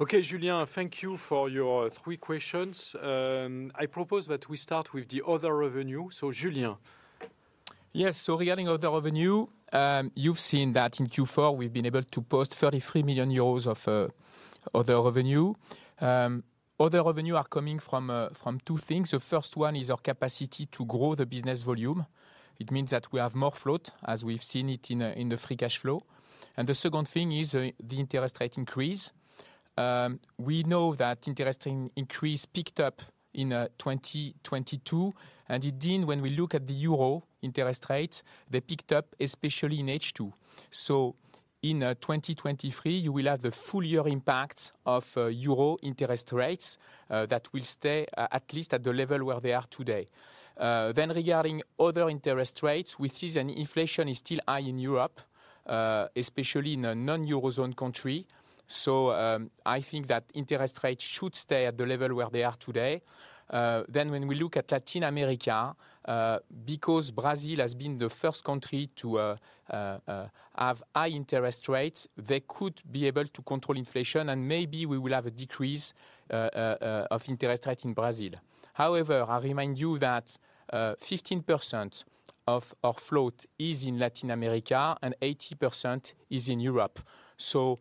Okay, Julien, thank you for your three questions. I propose that we start with the other revenue. Julien. Yes. Regarding other revenue, you've seen that in Q4, we've been able to post 33 million euros of other revenue. Other revenue are coming from two things. The first one is our capacity to grow the business volume. It means that we have more float, as we've seen it in the free cash flow. The second thing is the interest rate increase. We know that interest increase picked up in 2022, and indeed, when we look at the euro interest rates, they picked up especially in H2. In 2023, you will have the full year impact of euro interest rates that will stay at least at the level where they are today. Regarding other interest rates, we see that inflation is still high in Europe, especially in a non-euro zone country. I think that interest rates should stay at the level where they are today. When we look at Latin America, because Brazil has been the first country to have high interest rates, they could be able to control inflation, and maybe we will have a decrease of interest rate in Brazil. However, I remind you that 15% of our float is in Latin America and 80% is in Europe. For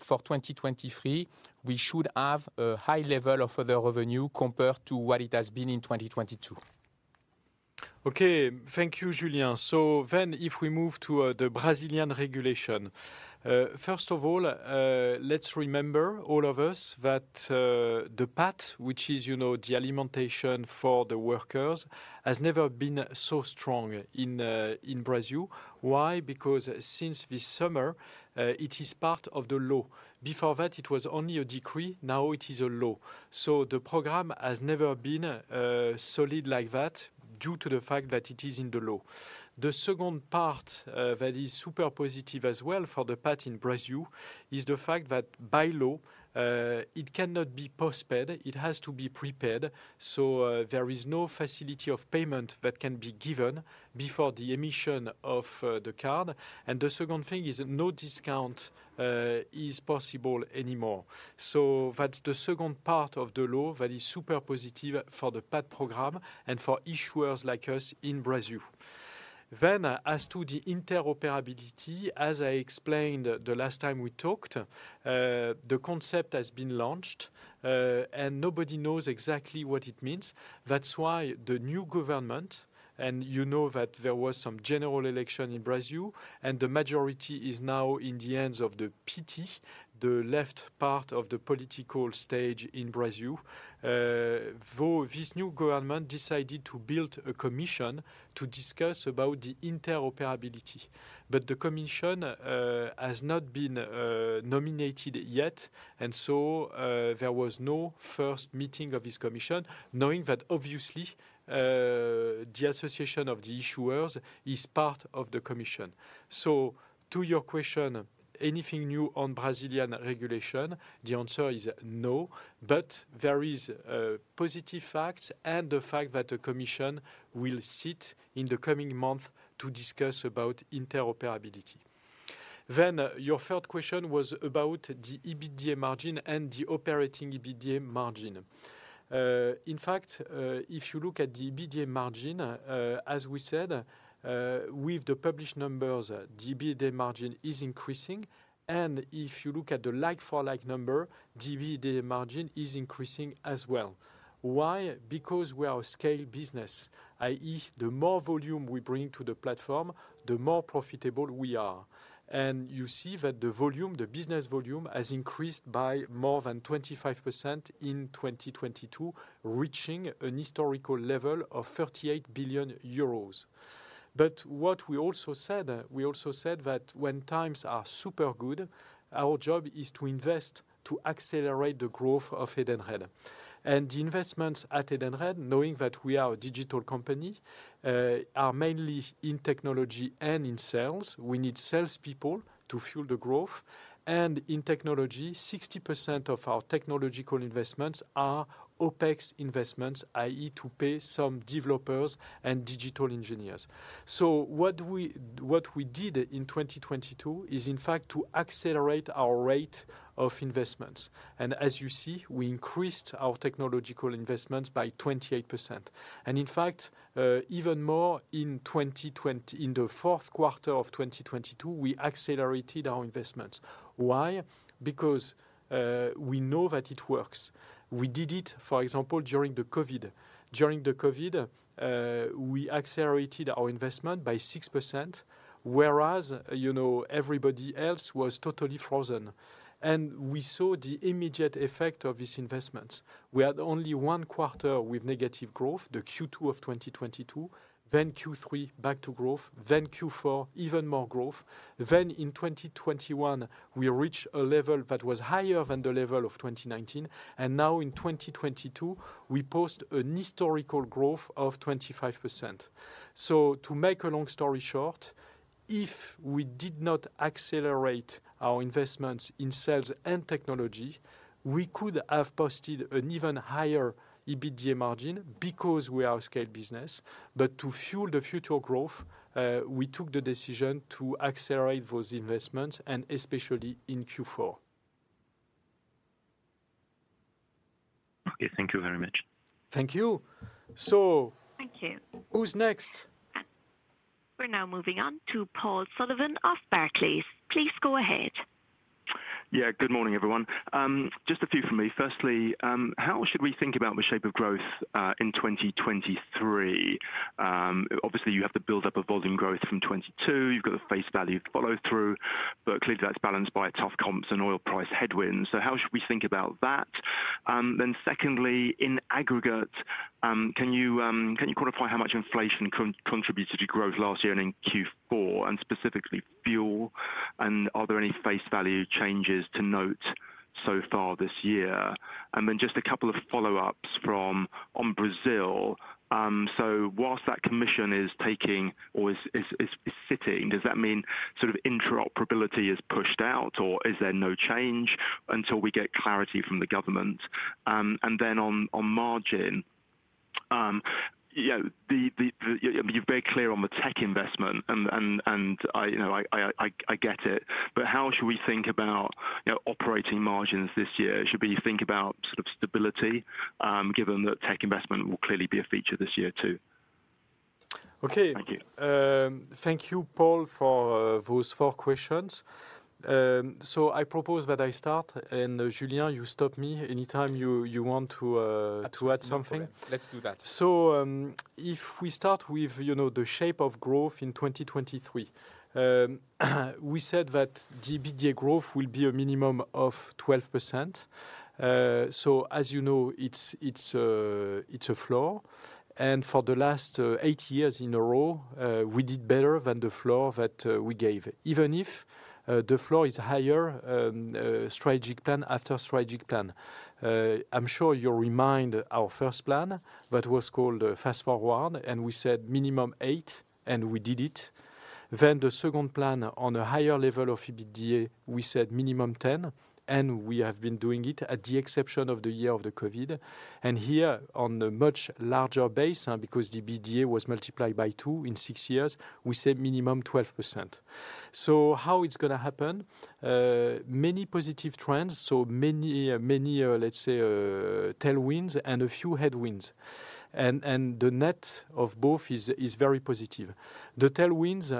2023, we should have a high level of other revenue compared to what it has been in 2022. Okay. Thank you, Julien. If we move to the Brazilian regulation. First of all, let's remember, all of us, that the PAT, which is, you know, the alimentation for the workers, has never been so strong in Brazil. Why? Because since this summer, it is part of the law. Before that it was only a decree, now it is a law. The program has never been solid like that due to the fact that it is in the law. The second part that is super positive as well for the PAT in Brazil is the fact that by law, it cannot be post-paid, it has to be pre-paid. There is no facility of payment that can be given before the emission of the card. The second thing is that no discount is possible anymore. That's the second part of the law that is super positive for the PAT program and for issuers like us in Brazil. As to the interoperability, as I explained the last time we talked, the concept has been launched, and nobody knows exactly what it means. That's why the new government, and you know that there was some general election in Brazil, and the majority is now in the hands of the PT, the left part of the political stage in Brazil. This new government decided to build a commission to discuss about the interoperability. The commission has not been nominated yet, and so there was no first meeting of this commission. Knowing that obviously, the association of the issuers is part of the commission. To your question, anything new on Brazilian regulation? The answer is no. There is positive facts and the fact that the commission will sit in the coming month to discuss about interoperability. Your third question was about the EBITDA margin and the operating EBITDA margin. In fact, if you look at the EBITDA margin, as we said, with the published numbers, the EBITDA margin is increasing. If you look at the like-for-like number, EBITDA margin is increasing as well. Why? Because we are a scale business, i.e., the more volume we bring to the platform, the more profitable we are. You see that the volume, the business volume, has increased by more than 25% in 2022, reaching an historical level of 38 billion euros. What we also said, we also said that when times are super good, our job is to invest to accelerate the growth of Edenred. The investments at Edenred, knowing that we are a digital company, are mainly in technology and in sales. We need salespeople to fuel the growth. In technology, 60% of our technological investments are OpEx investments, i.e., to pay some developers and digital engineers. What we did in 2022 is in fact to accelerate our rate of investments. As you see, we increased our technological investments by 28%. In fact, even more in the Q4 of 2022, we accelerated our investments. Why? Because we know that it works. We did it, for example, during the COVID. During the COVID, we accelerated our investment by 6%, whereas, you know, everybody else was totally frozen. We saw the immediate effect of these investments. We had only one quarter with negative growth, the Q2 of 2022, Q3 back to growth, Q4 even more growth. In 2021, we reached a level that was higher than the level of 2019. Now in 2022, we post an historical growth of 25%. To make a long story short, if we did not accelerate our investments in sales and technology, we could have posted an even higher EBITDA margin because we are a scale business. To fuel the future growth, we took the decision to accelerate those investments and especially in Q4. Okay. Thank you very much. Thank you. Thank you. Who's next? We're now moving on to Paul Sullivan of Barclays. Please go ahead. Good morning, everyone. Just a few from me. Firstly, how should we think about the shape of growth in 2023? Obviously, you have the buildup of volume growth from '22. You've got the face value follow through, but clearly that's balanced by tough comps and oil price headwinds. How should we think about that? Secondly, in aggregate, can you quantify how much inflation contributed to growth last year and in Q4, and specifically fuel? Are there any face value changes to note so far this year? Just a couple of follow-ups on Brazil. Whilst that commission is sitting, does that mean sort of interoperability is pushed out, or is there no change until we get clarity from the government? On, on margin. You're very clear on the tech investment and I, you know, I get it. How should we think about, you know, operating margins this year? Should we think about sort of stability, given that tech investment will clearly be a feature this year too? Okay. Thank you. Thank you, Paul, for those four questions. I propose that I start, and Julien, you stop me anytime you want to add something. No problem. Let's do that. If we start with, you know, the shape of growth in 2023. We said that the EBITDA growth will be a minimum of 12%. As you know, it's, it's a floor. For the last eight years in a row, we did better than the floor that we gave. Even if the floor is higher, strategic plan after strategic plan. I'm sure you'll remind our first plan that was called Fast Forward, and we said minimum eight, and we did it. The second plan on a higher level of EBITDA, we said minimum 10, and we have been doing it at the exception of the year of the COVID. Here on the much larger base, because the EBITDA was multiplied by two in six years, we said minimum 12%. How it's gonna happen, many positive trends, many tailwinds and a few headwinds. The net of both is very positive. The tailwinds,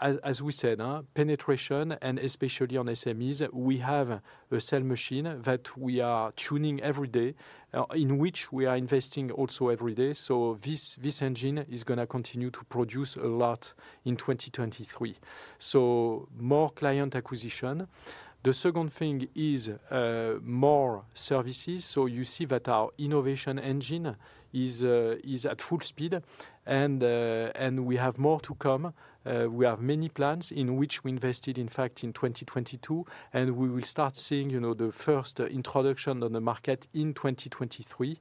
as we said, penetration and especially on SMEs, we have a sale machine that we are tuning every day, in which we are investing also every day. This engine is gonna continue to produce a lot in 2023. More client acquisition. The second thing is more services. You see that our innovation engine is at full speed and we have more to come. We have many plans in which we invested in fact in 2022, and we will start seeing, you know, the first introduction on the market in 2023.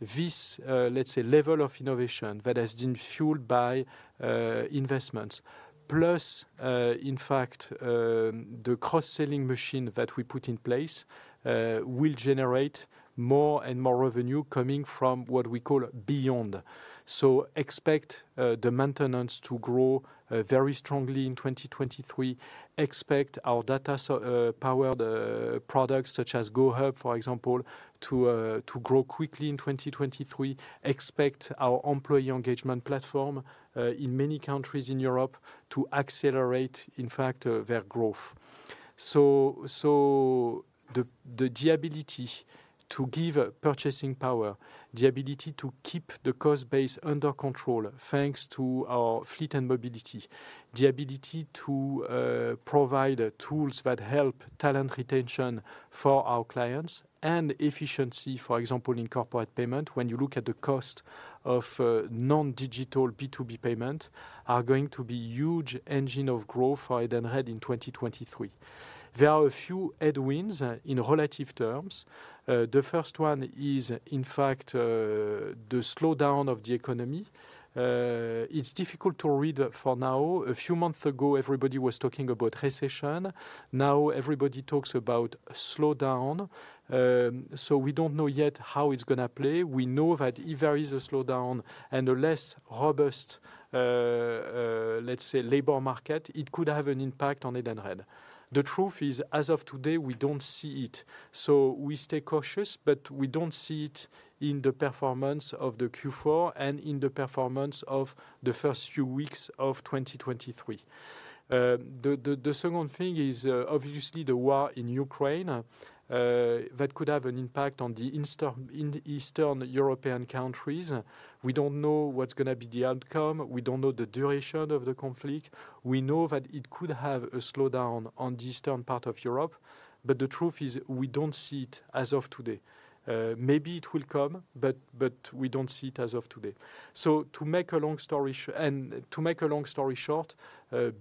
This, let's say level of innovation that has been fueled by investments, plus, in fact, the cross-selling machine that we put in place, will generate more and more revenue coming from what we call Beyond. Expect the maintenance to grow very strongly in 2023. Expect our data, so, powered products such as GoHub, for example, to grow quickly in 2023. Expect our employee engagement platform in many countries in Europe to accelerate, in fact, their growth. The ability to give purchasing power, the ability to keep the cost base under control, thanks to our fleet and mobility, the ability to provide tools that help talent retention for our clients and efficiency, for example, in corporate payment, when you look at the cost of non-digital B2B payment, are going to be huge engine of growth for Edenred in 2023. There are a few headwinds in relative terms. The first one is in fact the slowdown of the economy. It's difficult to read for now. A few months ago, everybody was talking about recession. Now everybody talks about slowdown. We don't know yet how it's gonna play. We know that if there is a slowdown and a less robust, let's say labor market, it could have an impact on Edenred. The truth is, as of today, we don't see it. We stay cautious, but we don't see it in the performance of the Q4 and in the performance of the first few weeks of 2023. The second thing is, obviously the war in Ukraine, that could have an impact in the Eastern European countries. We don't know what's gonna be the outcome. We don't know the duration of the conflict. We know that it could have a slowdown on the eastern part of Europe. The truth is we don't see it as of today. Maybe it will come, but we don't see it as of today. To make a long story short,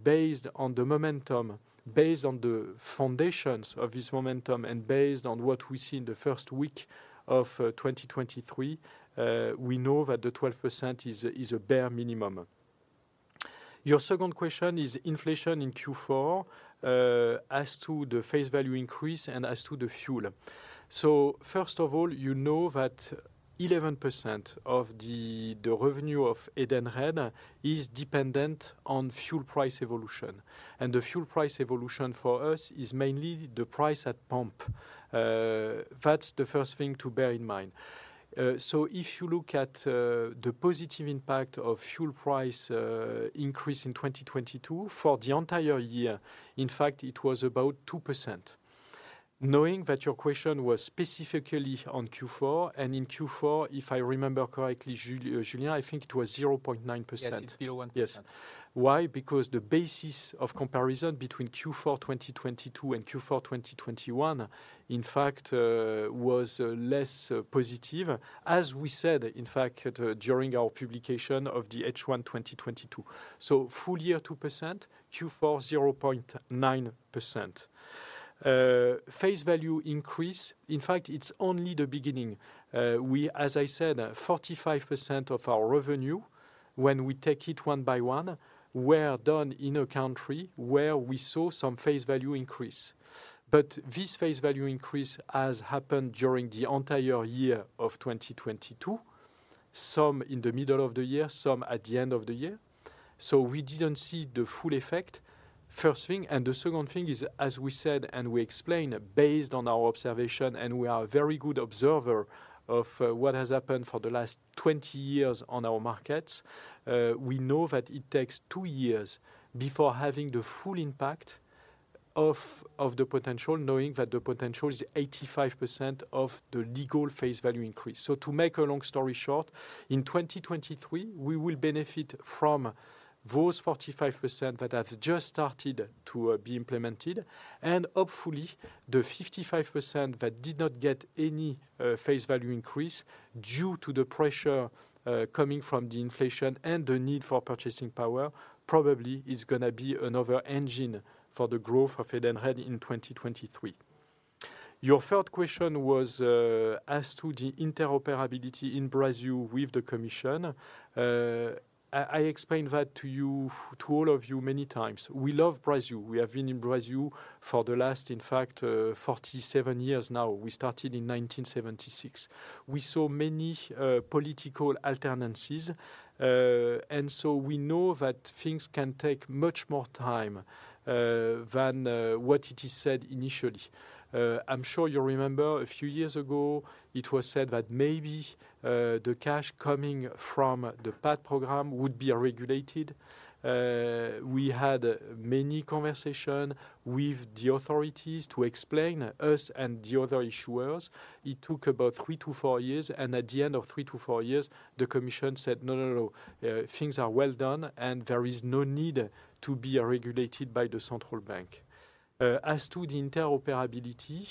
based on the momentum, based on the foundations of this momentum, and based on what we see in the first week of 2023, we know that the 12% is a bare minimum. Your second question is inflation in Q4, as to the face value increase and as to the fuel. First of all, you know that 11% of the revenue of Edenred is dependent on fuel price evolution. The fuel price evolution for us is mainly the price at pump. That's the first thing to bear in mind. If you look at the positive impact of fuel price increase in 2022 for the entire year, in fact it was about 2%. Knowing that your question was specifically on Q4, in Q4, if I remember correctly, Julien, I think it was 0.9%. Yes, it's below 1%. Yes. Why? Because the basis of comparison between Q4 2022 and Q4 2021, in fact, was less positive, as we said, in fact, during our publication of the H1 2022. Full year 2%, Q4 0.9%. Face value increase, in fact, it's only the beginning. As I said, 45% of our revenue when we take it one by one, were done in a country where we saw some face value increase. This face value increase has happened during the entire year of 2022, some in the middle of the year, some at the end of the year. We didn't see the full effect, first thing, and the second thing is, as we said and we explained, based on our observation, and we are a very good observer of what has happened for the last 20 years on our markets, we know that it takes two years before having the full impact of the potential, knowing that the potential is 85% of the legal face value increase. To make a long story short, in 2023, we will benefit from those 45% that have just started to be implemented. Hopefully, the 55% that did not get any face value increase due to the pressure coming from the inflation and the need for purchasing power probably is gonna be another engine for the growth of Edenred in 2023. Your third question was as to the interoperability in Brazil with the commission. I explained that to you, to all of you many times. We love Brazil. We have been in Brazil for the last, in fact, 47 years now. We started in 1976. We saw many political alternances. We know that things can take much more time than what it is said initially. I'm sure you remember a few years ago, it was said that maybe the cash coming from the PAT program would be regulated. We had many conversation with the authorities to explain us and the other issuers. It took about three to four years, at the end of three to four years, the commission said, "No, no. Things are well done, there is no need to be regulated by the Central Bank. As to the interoperability,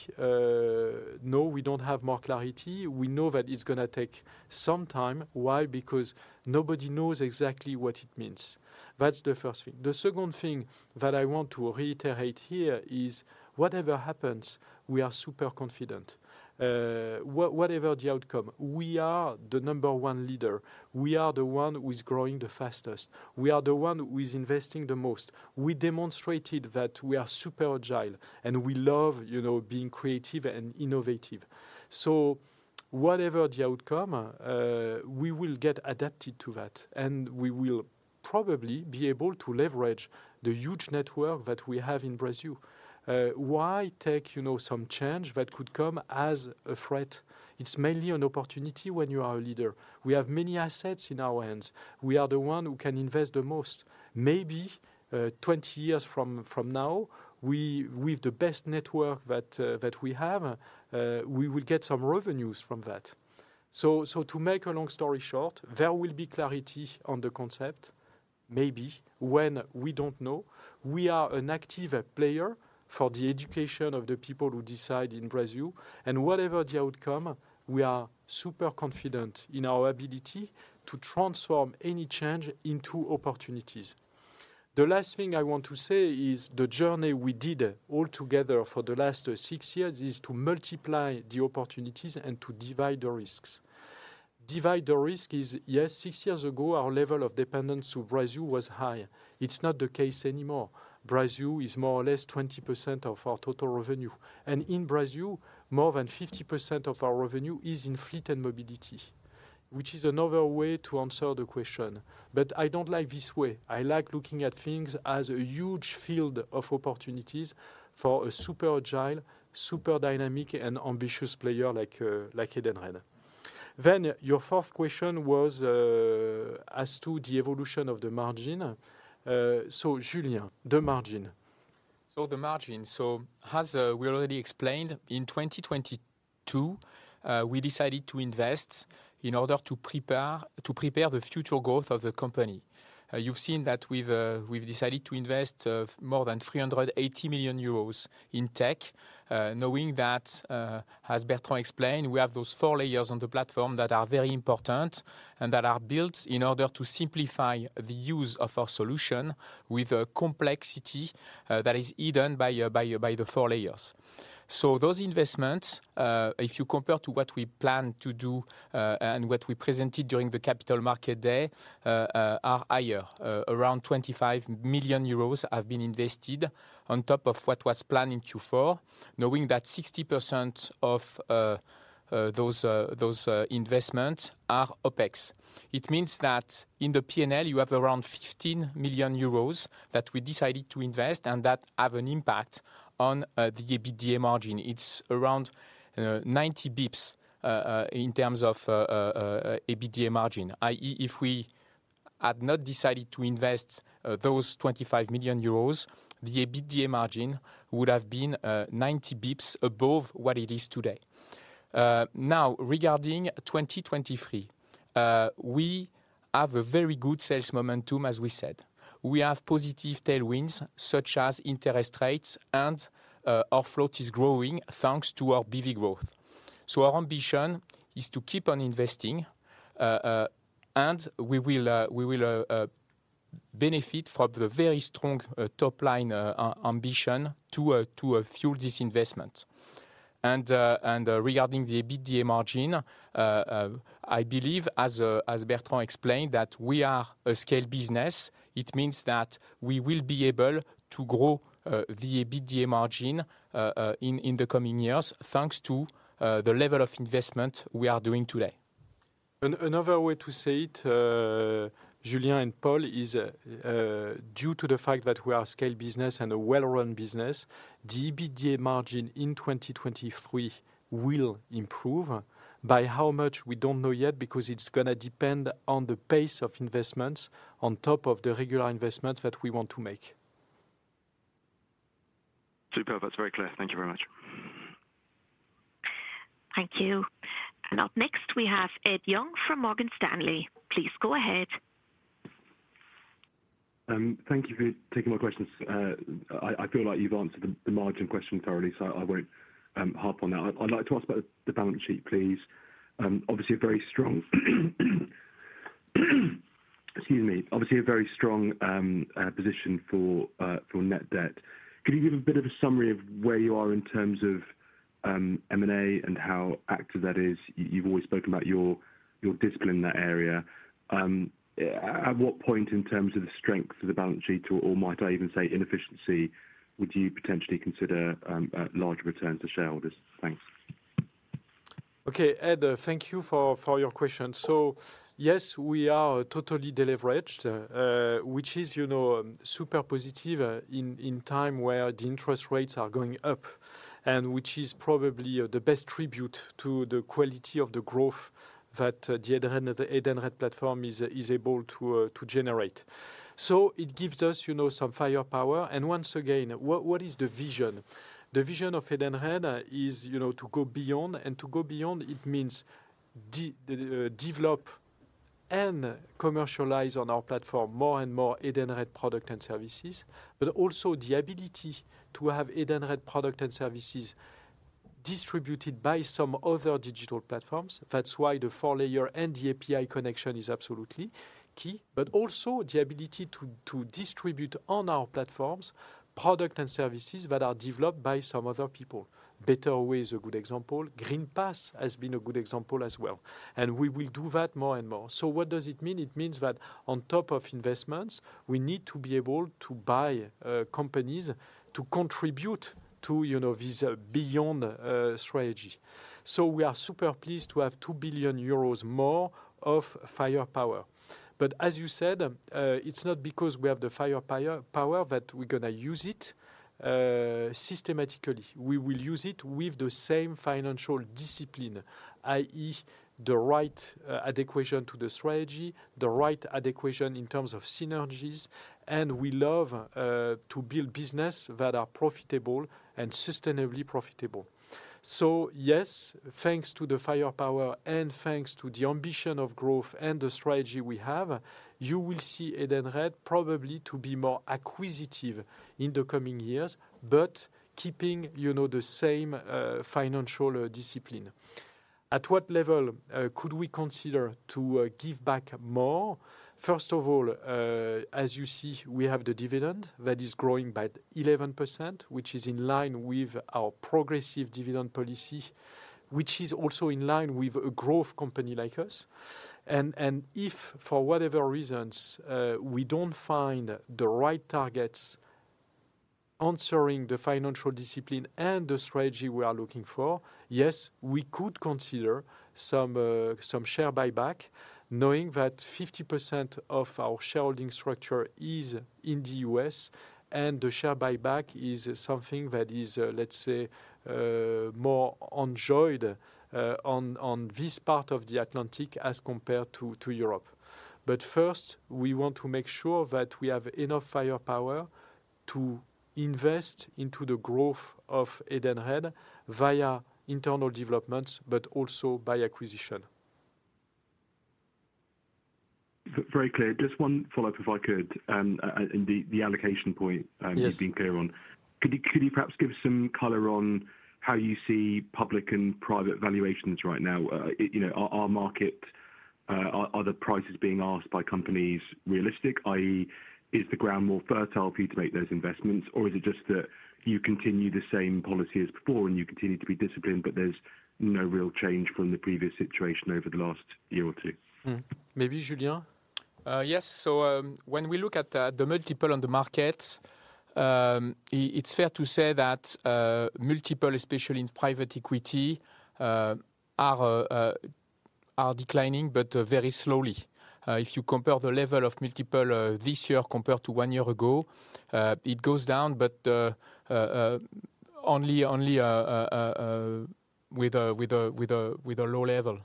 no, we don't have more clarity. We know that it's gonna take some time. Why? Because nobody knows exactly what it means. That's the first thing. The second thing that I want to reiterate here is whatever happens, we are super confident. Whatever the outcome, we are the number one leader. We are the one who is growing the fastest. We are the one who is investing the most. We demonstrated that we are super agile, we love, you know, being creative and innovative. Whatever the outcome, we will get adapted to that, we will probably be able to leverage the huge network that we have in Brazil. Why take, you know, some change that could come as a threat? It's mainly an opportunity when you are a leader. We have many assets in our hands. We are the one who can invest the most. Maybe, 20 years from now, we, with the best network that we have, we will get some revenues from that. To make a long story short, there will be clarity on the concept, maybe. When? We don't know. We are an active player for the education of the people who decide in Brazil. Whatever the outcome, we are super confident in our ability to transform any change into opportunities. The last thing I want to say is the journey we did all together for the last six years is to multiply the opportunities and to divide the risks. Divide the risk is, yes, six years ago, our level of dependence to Brazil was high. It's not the case anymore. Brazil is more or less 20% of our total revenue. In Brazil, more than 50% of our revenue is in fleet and mobility, which is another way to answer the question. I don't like this way. I like looking at things as a huge field of opportunities for a super agile, super dynamic, and ambitious player like Edenred. Your fourth question was as to the evolution of the margin. Julien, the margin. The margin. As we already explained, in 2022, we decided to invest in order to prepare the future growth of the company. You've seen that we've decided to invest more than 380 million euros in tech, knowing that, as Bertrand explained, we have those four layers on the platform that are very important and that are built in order to simplify the use of our solution with a complexity that is hidden by the four layers. Those investments, if you compare to what we plan to do and what we presented during the Capital Market Day, are higher. Around 25 million euros have been invested on top of what was planned in Q4, knowing that 60% of those investments are OpEx. It means that in the P&L, you have around 15 million euros that we decided to invest and that have an impact on the EBITDA margin. It's around 90 bips in terms of EBITDA margin. I.e., if we had not decided to invest those 25 million euros, the EBITDA margin would have been 90 bips above what it is today. Now regarding 2023, we have a very good sales momentum, as we said. We have positive tailwinds, such as interest rates, and our float is growing thanks to our BV growth. Our ambition is to keep on investing, and we will benefit from the very strong top line ambition to fuel this investment. Regarding the EBITDA margin, I believe, as Bertrand explained, that we are a scale business. It means that we will be able to grow the EBITDA margin in the coming years, thanks to the level of investment we are doing today. Another way to say it, Julien and Paul, is due to the fact that we are a scale business and a well-run business, the EBITDA margin in 2023 will improve. By how much, we don't know yet, because it's gonna depend on the pace of investments on top of the regular investments that we want to make. Superb. That's very clear. Thank you very much. Thank you. Up next we have Edward Stanley from Morgan Stanley. Please go ahead. Thank you for taking my questions. I feel like you've answered the margin question thoroughly, I won't harp on that. I'd like to ask about the balance sheet, please. Obviously a very strong position for net debt. Could you give a bit of a summary of where you are in terms of M&A and how active that is? You've always spoken about your discipline in that area. At what point in terms of the strength of the balance sheet or might I even say inefficiency, would you potentially consider larger return to shareholders? Thanks. Ed, thank you for your question. Yes, we are totally deleveraged, which is, you know, super positive, in time where the interest rates are going up, which is probably the best tribute to the quality of the growth that the Edenred platform is able to generate. It gives us, you know, some firepower. Once again, what is the vision? The vision of Edenred is, you know, to go beyond and to go beyond it means develop and commercialize on our platform more and more Edenred product and services, also the ability to have Edenred product and services distributed by some other digital platforms. That's why the four layer and the API connection is absolutely key, also the ability to distribute on our platforms product and services that are developed by some other people. Betterway is a good example. Green Pass has been a good example as well. We will do that more and more. What does it mean? It means that on top of investments, we need to be able to buy companies to contribute to, you know, this Beyond strategy. We are super pleased to have 2 billion euros more of firepower. As you said, it's not because we have the firepower that we're gonna use it systematically. We will use it with the same financial discipline, i.e. the right adequation to the strategy, the right adequation in terms of synergies. We love to build business that are profitable and sustainably profitable. Yes, thanks to the firepower and thanks to the ambition of growth and the strategy we have, you will see Edenred probably to be more acquisitive in the coming years, but keeping, you know, the same financial discipline. At what level could we consider to give back more? First of all, as you see, we have the dividend that is growing by 11%, which is in line with our progressive dividend policy, which is also in line with a growth company like us. If, for whatever reasons, we don't find the right targets answering the financial discipline and the strategy we are looking for, yes, we could consider some share buyback knowing that 50% of our shareholding structure is in the U.S. and the share buyback is something that is, let's say, more enjoyed on this part of the Atlantic as compared to Europe. First, we want to make sure that we have enough firepower to invest into the growth of Edenred via internal developments, but also by acquisition. Very clear. Just one follow-up if I could, and the allocation point. Yes. You've been clear on. Could you perhaps give some color on how you see public and private valuations right now? You know, are the prices being asked by companies realistic, i.e. is the ground more fertile for you to make those investments? Is it just that you continue the same policy as before and you continue to be disciplined, but there's no real change from the previous situation over the last year or two? Mm-hmm. Maybe Julien. Yes. When we look at the multiple on the market, it's fair to say that multiple, especially in private equity, are declining but very slowly. If you compare the level of multiple this year compared to one year ago, it goes down, but only with a low level.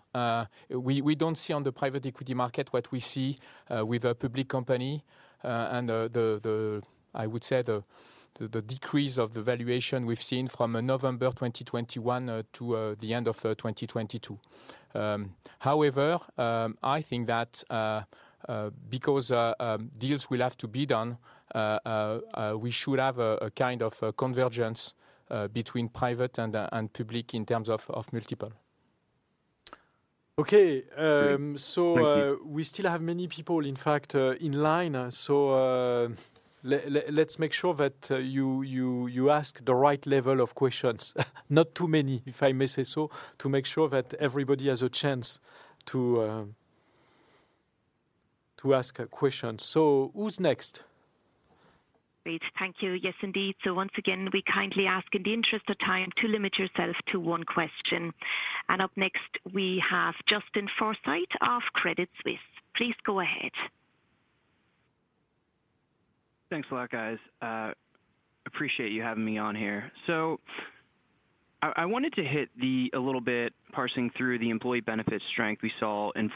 We don't see on the private equity market what we see with a public company. I would say the decrease of the valuation we've seen from November 2021 to the end of 2022. I think that because deals will have to be done, we should have a kind of a convergence between private and public in terms of multiple. Okay. Great. Thank you. We still have many people, in fact, in line. Let's make sure that you ask the right level of questions. Not too many, if I may say so, to make sure that everybody has a chance to ask a question. Who's next? Great. Thank you. Yes, indeed. Once again, we kindly ask in the interest of time to limit yourself to one question. Up next we have Justin Forsling of Credit Suisse. Please go ahead. Thanks a lot, guys. Appreciate you having me on here. I wanted to hit a little bit parsing through the employee benefits strength we saw in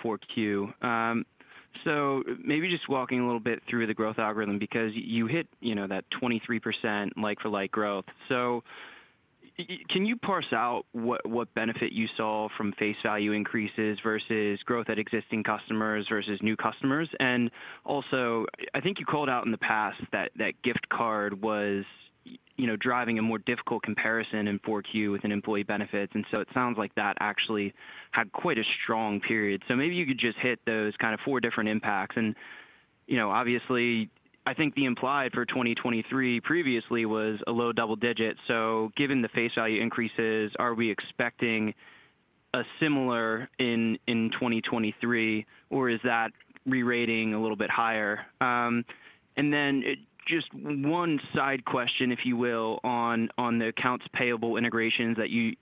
Q4. Maybe just walking a little bit through the growth algorithm because you hit, you know, that 23% like for like growth. Can you parse out what benefit you saw from face value increases versus growth at existing customers versus new customers? Also, I think you called out in the past that gift card was, you know, driving a more difficult comparison in Q4 within employee benefits, and so it sounds like that actually had quite a strong period. Maybe you could just hit those kind of four different impacts. You know, obviously, I think the implied for 2023 previously was a low double digit. Given the face value increases, are we expecting a similar in 2023, or is that re-rating a little bit higher? Just one side question, if you will, on the accounts payable integrations that you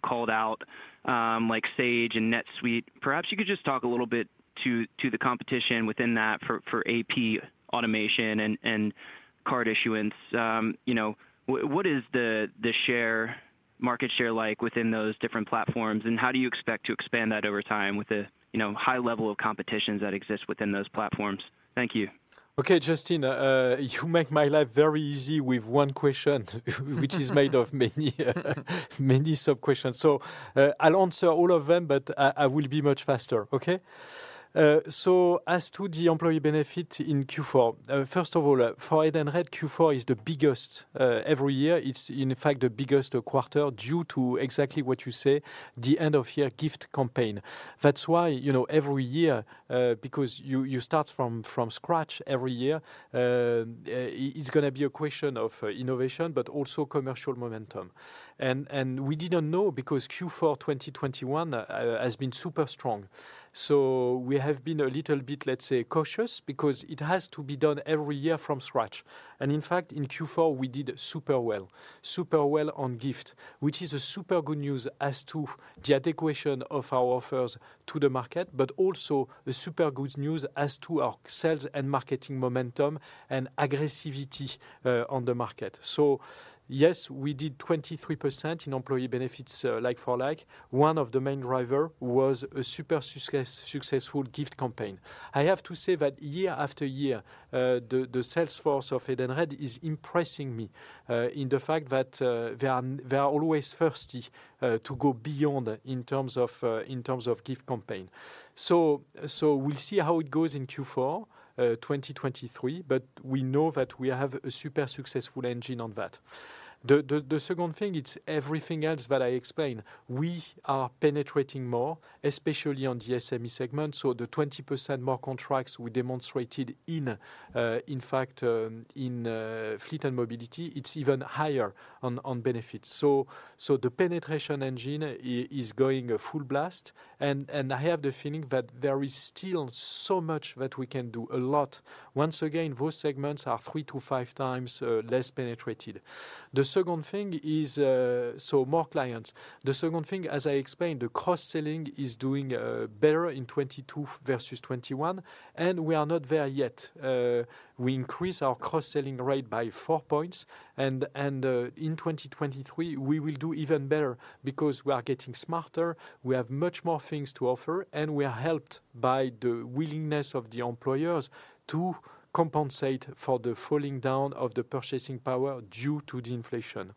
called out, like Sage and NetSuite. Perhaps you could just talk a little bit to the competition within that for AP automation and card issuance. You know, what is the market share like within those different platforms, and how do you expect to expand that over time with the, you know, high level of competitions that exist within those platforms? Thank you. Okay, Justin, you make my life very easy with one question which is made of many, many sub-questions. I'll answer all of them, but I will be much faster. Okay? As to the employee benefit in Q4. First of all, for Edenred, Q4 is the biggest, every year. It's in fact the biggest quarter due to exactly what you say, the end of year gift campaign. That's why, you know, every year, because you start from scratch every year, it's gonna be a question of innovation, but also commercial momentum. We didn't know because Q4 2021 has been super strong. We have been a little bit, let's say, cautious because it has to be done every year from scratch. In fact, in Q4 we did super well. Super well on gift, which is a super good news as to the acquisition of our offers to the market, but also a super good news as to our sales and marketing momentum and aggressivity on the market. Yes, we did 23% in employee benefits like for like. One of the main driver was a super successful gift campaign. I have to say that year-after-year, the sales force of Edenred is impressing me in the fact that they are always thirsty to go beyond in terms of in terms of gift campaign. We'll see how it goes in Q4 2023, but we know that we have a super successful engine on that. The second thing, it's everything else that I explained. We are penetrating more, especially on the SME segment. The 20% more contracts we demonstrated in fact, in fleet and mobility, it's even higher on benefits. The penetration engine is going full blast. I have the feeling that there is still so much that we can do, a lot. Once again, those segments are three to five times less penetrated. The second thing is more clients. The second thing, as I explained, the cross-selling is doing better in 2022 versus 2021, and we are not there yet. We increase our cross-selling rate by four points and in 2023, we will do even better because we are getting smarter, we have much more things to offer, and we are helped by the willingness of the employers to compensate for the falling down of the purchasing power due to the inflation.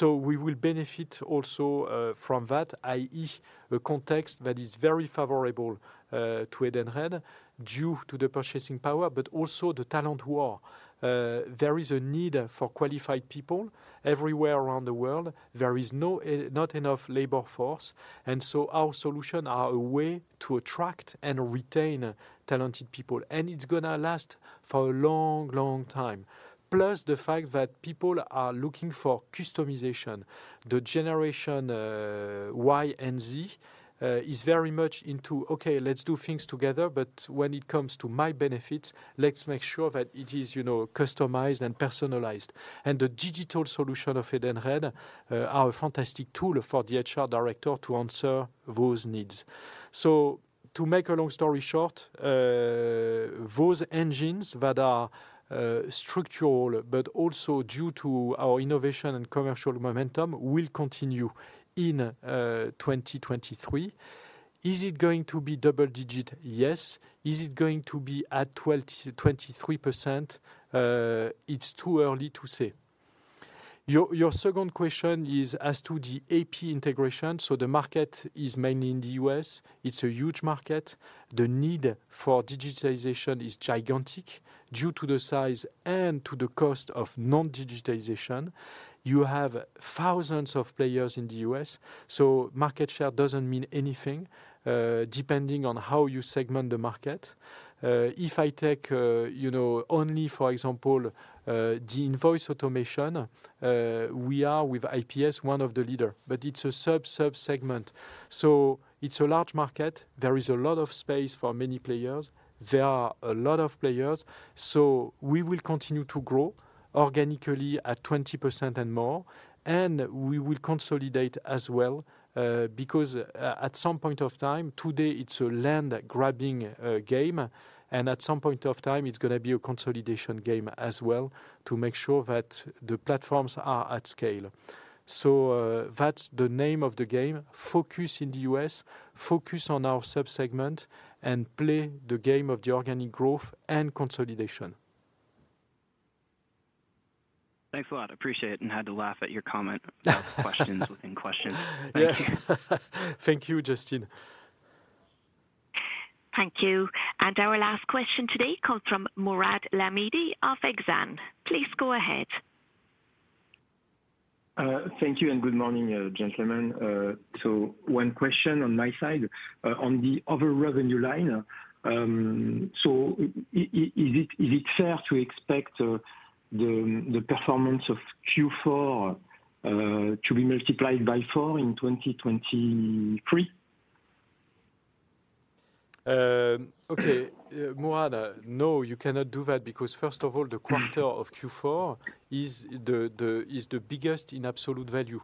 We will benefit also, from that, i.e., a context that is very favorable to Edenred due to the purchasing power, but also the talent war. There is a need for qualified people everywhere around the world. There is no, not enough labor force, our solution are a way to attract and retain talented people, and it's gonna last for a long, long time. Plus the fact that people are looking for customization. The generation Y and Z is very much into, "Okay, let's do things together, but when it comes to my benefits, let's make sure that it is, you know, customized and personalized." The digital solution of Edenred are a fantastic tool for the HR director to answer those needs. To make a long story short, those engines that are structural but also due to our innovation and commercial momentum will continue in 2023. Is it going to be double digit? Yes. Is it going to be at 12%-23%? It's too early to say. Your second question is as to the AP integration. The market is mainly in the U.S. It's a huge market. The need for digitization is gigantic due to the size and to the cost of non-digitization. You have thousands of players in the U.S., so market share doesn't mean anything, depending on how you segment the market. If I take, you know, only, for example, the invoice automation, we are with IPS, one of the leader, but it's a sub-segment. It's a large market. There is a lot of space for many players. There are a lot of players. We will continue to grow organically at 20% and more, and we will consolidate as well, because at some point of time, today it's a land grabbing game, and at some point of time it's gonna be a consolidation game as well to make sure that the platforms are at scale. That's the name of the game. Focus in the U.S., focus on our sub-segment, and play the game of the organic growth and consolidation. Thanks a lot. Appreciate it. Had to laugh at your comment about questions within questions. Yeah. Thank you, Justin. Thank you. Our last question today comes from Mourad Lahmidi of Exane. Please go ahead. Thank you and good morning, gentlemen. One question on my side. On the other revenue line, is it fair to expect the performance of Q4 to be multiplied by four in 2023? Mourad, no, you cannot do that because first of all, the quarter of Q4 is the biggest in absolute value.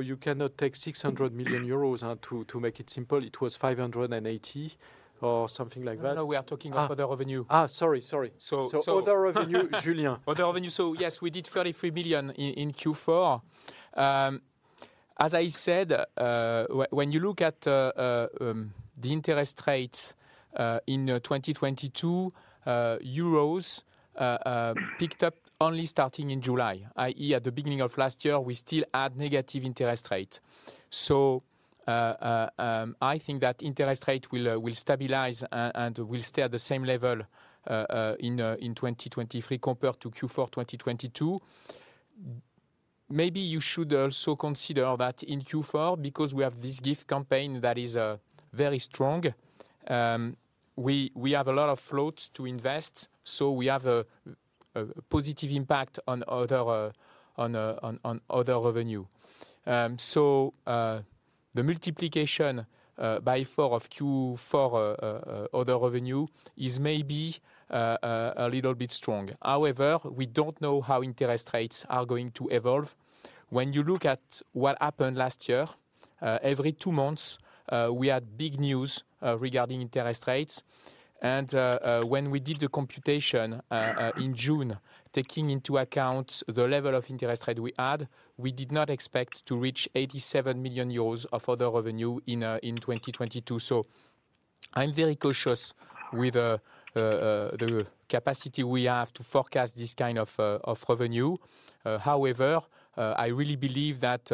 You cannot take 600 million euros. To make it simple, it was 580 million or something like that. No, no, we are talking of other revenue. Sorry. other revenue, Julien. We did 33 million in Q4. As I said, when you look at the interest rates in 2022, euros picked up only starting in July, i.e., at the beginning of last year we still had negative interest rate. I think that interest rate will stabilize and will stay at the same level in 2023 compared to Q4 2022. Maybe you should also consider that in Q4 because we have this gift campaign that is very strong. We have a lot of float to invest, so we have a positive impact on other on on other revenue The multiplication by four of Q4 other revenue is maybe a little bit strong. However, we don't know how interest rates are going to evolve. When you look at what happened last year, every two months, we had big news regarding interest rates. When we did the computation in June, taking into account the level of interest rate we had, we did not expect to reach 87 million euros of other revenue in 2022. I'm very cautious with the capacity we have to forecast this kind of revenue. However, I really believe that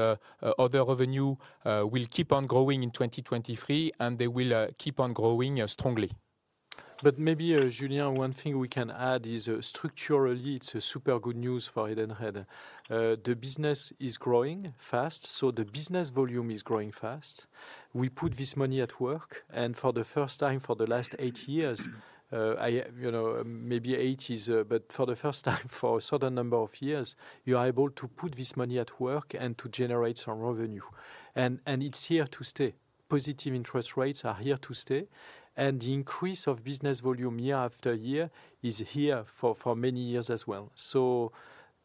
other revenue will keep on growing in 2023, and they will keep on growing strongly. Maybe, Julien, one thing we can add is structurally it's a super good news for Edenred. The business is growing fast, the business volume is growing fast. We put this money at work, for the first time for a certain number of years, you are able to put this money at work and to generate some revenue. It's here to stay. Positive interest rates are here to stay, the increase of business volume year-after-year is here for many years as well.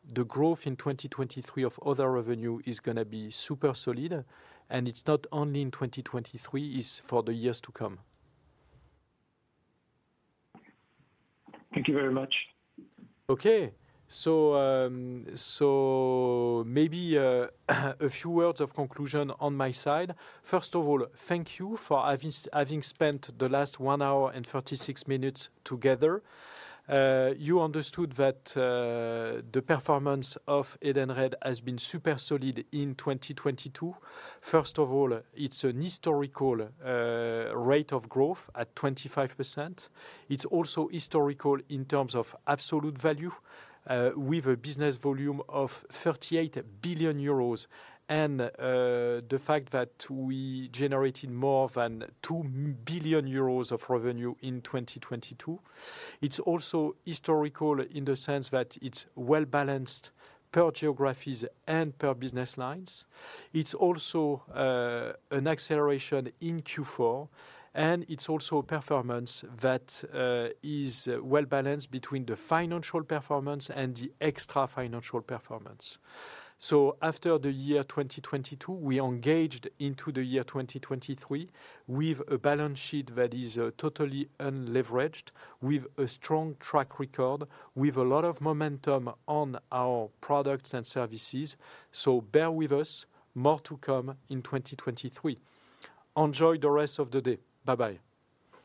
The growth in 2023 of other revenue is going to be super solid, it's not only in 2023, it's for the years to come. Thank you very much. Maybe a few words of conclusion on my side. First of all, thank you for having spent the last one hour and 36 minutes together. You understood that the performance of Edenred has been super solid in 2022. First of all, it's an historical rate of growth at 25%. It's also historical in terms of absolute value, with a business volume of 38 billion euros, and the fact that we generated more than 2 billion euros of revenue in 2022. It's also historical in the sense that it's well-balanced per geographies and per business lines. It's also an acceleration in Q4, and it's also a performance that is well-balanced between the financial performance and the extra financial performance. After the year 2022, we engaged into the year 2023 with a balance sheet that is totally unleveraged, with a strong track record, with a lot of momentum on our products and services. Bear with us. More to come in 2023. Enjoy the rest of the day. Bye-bye.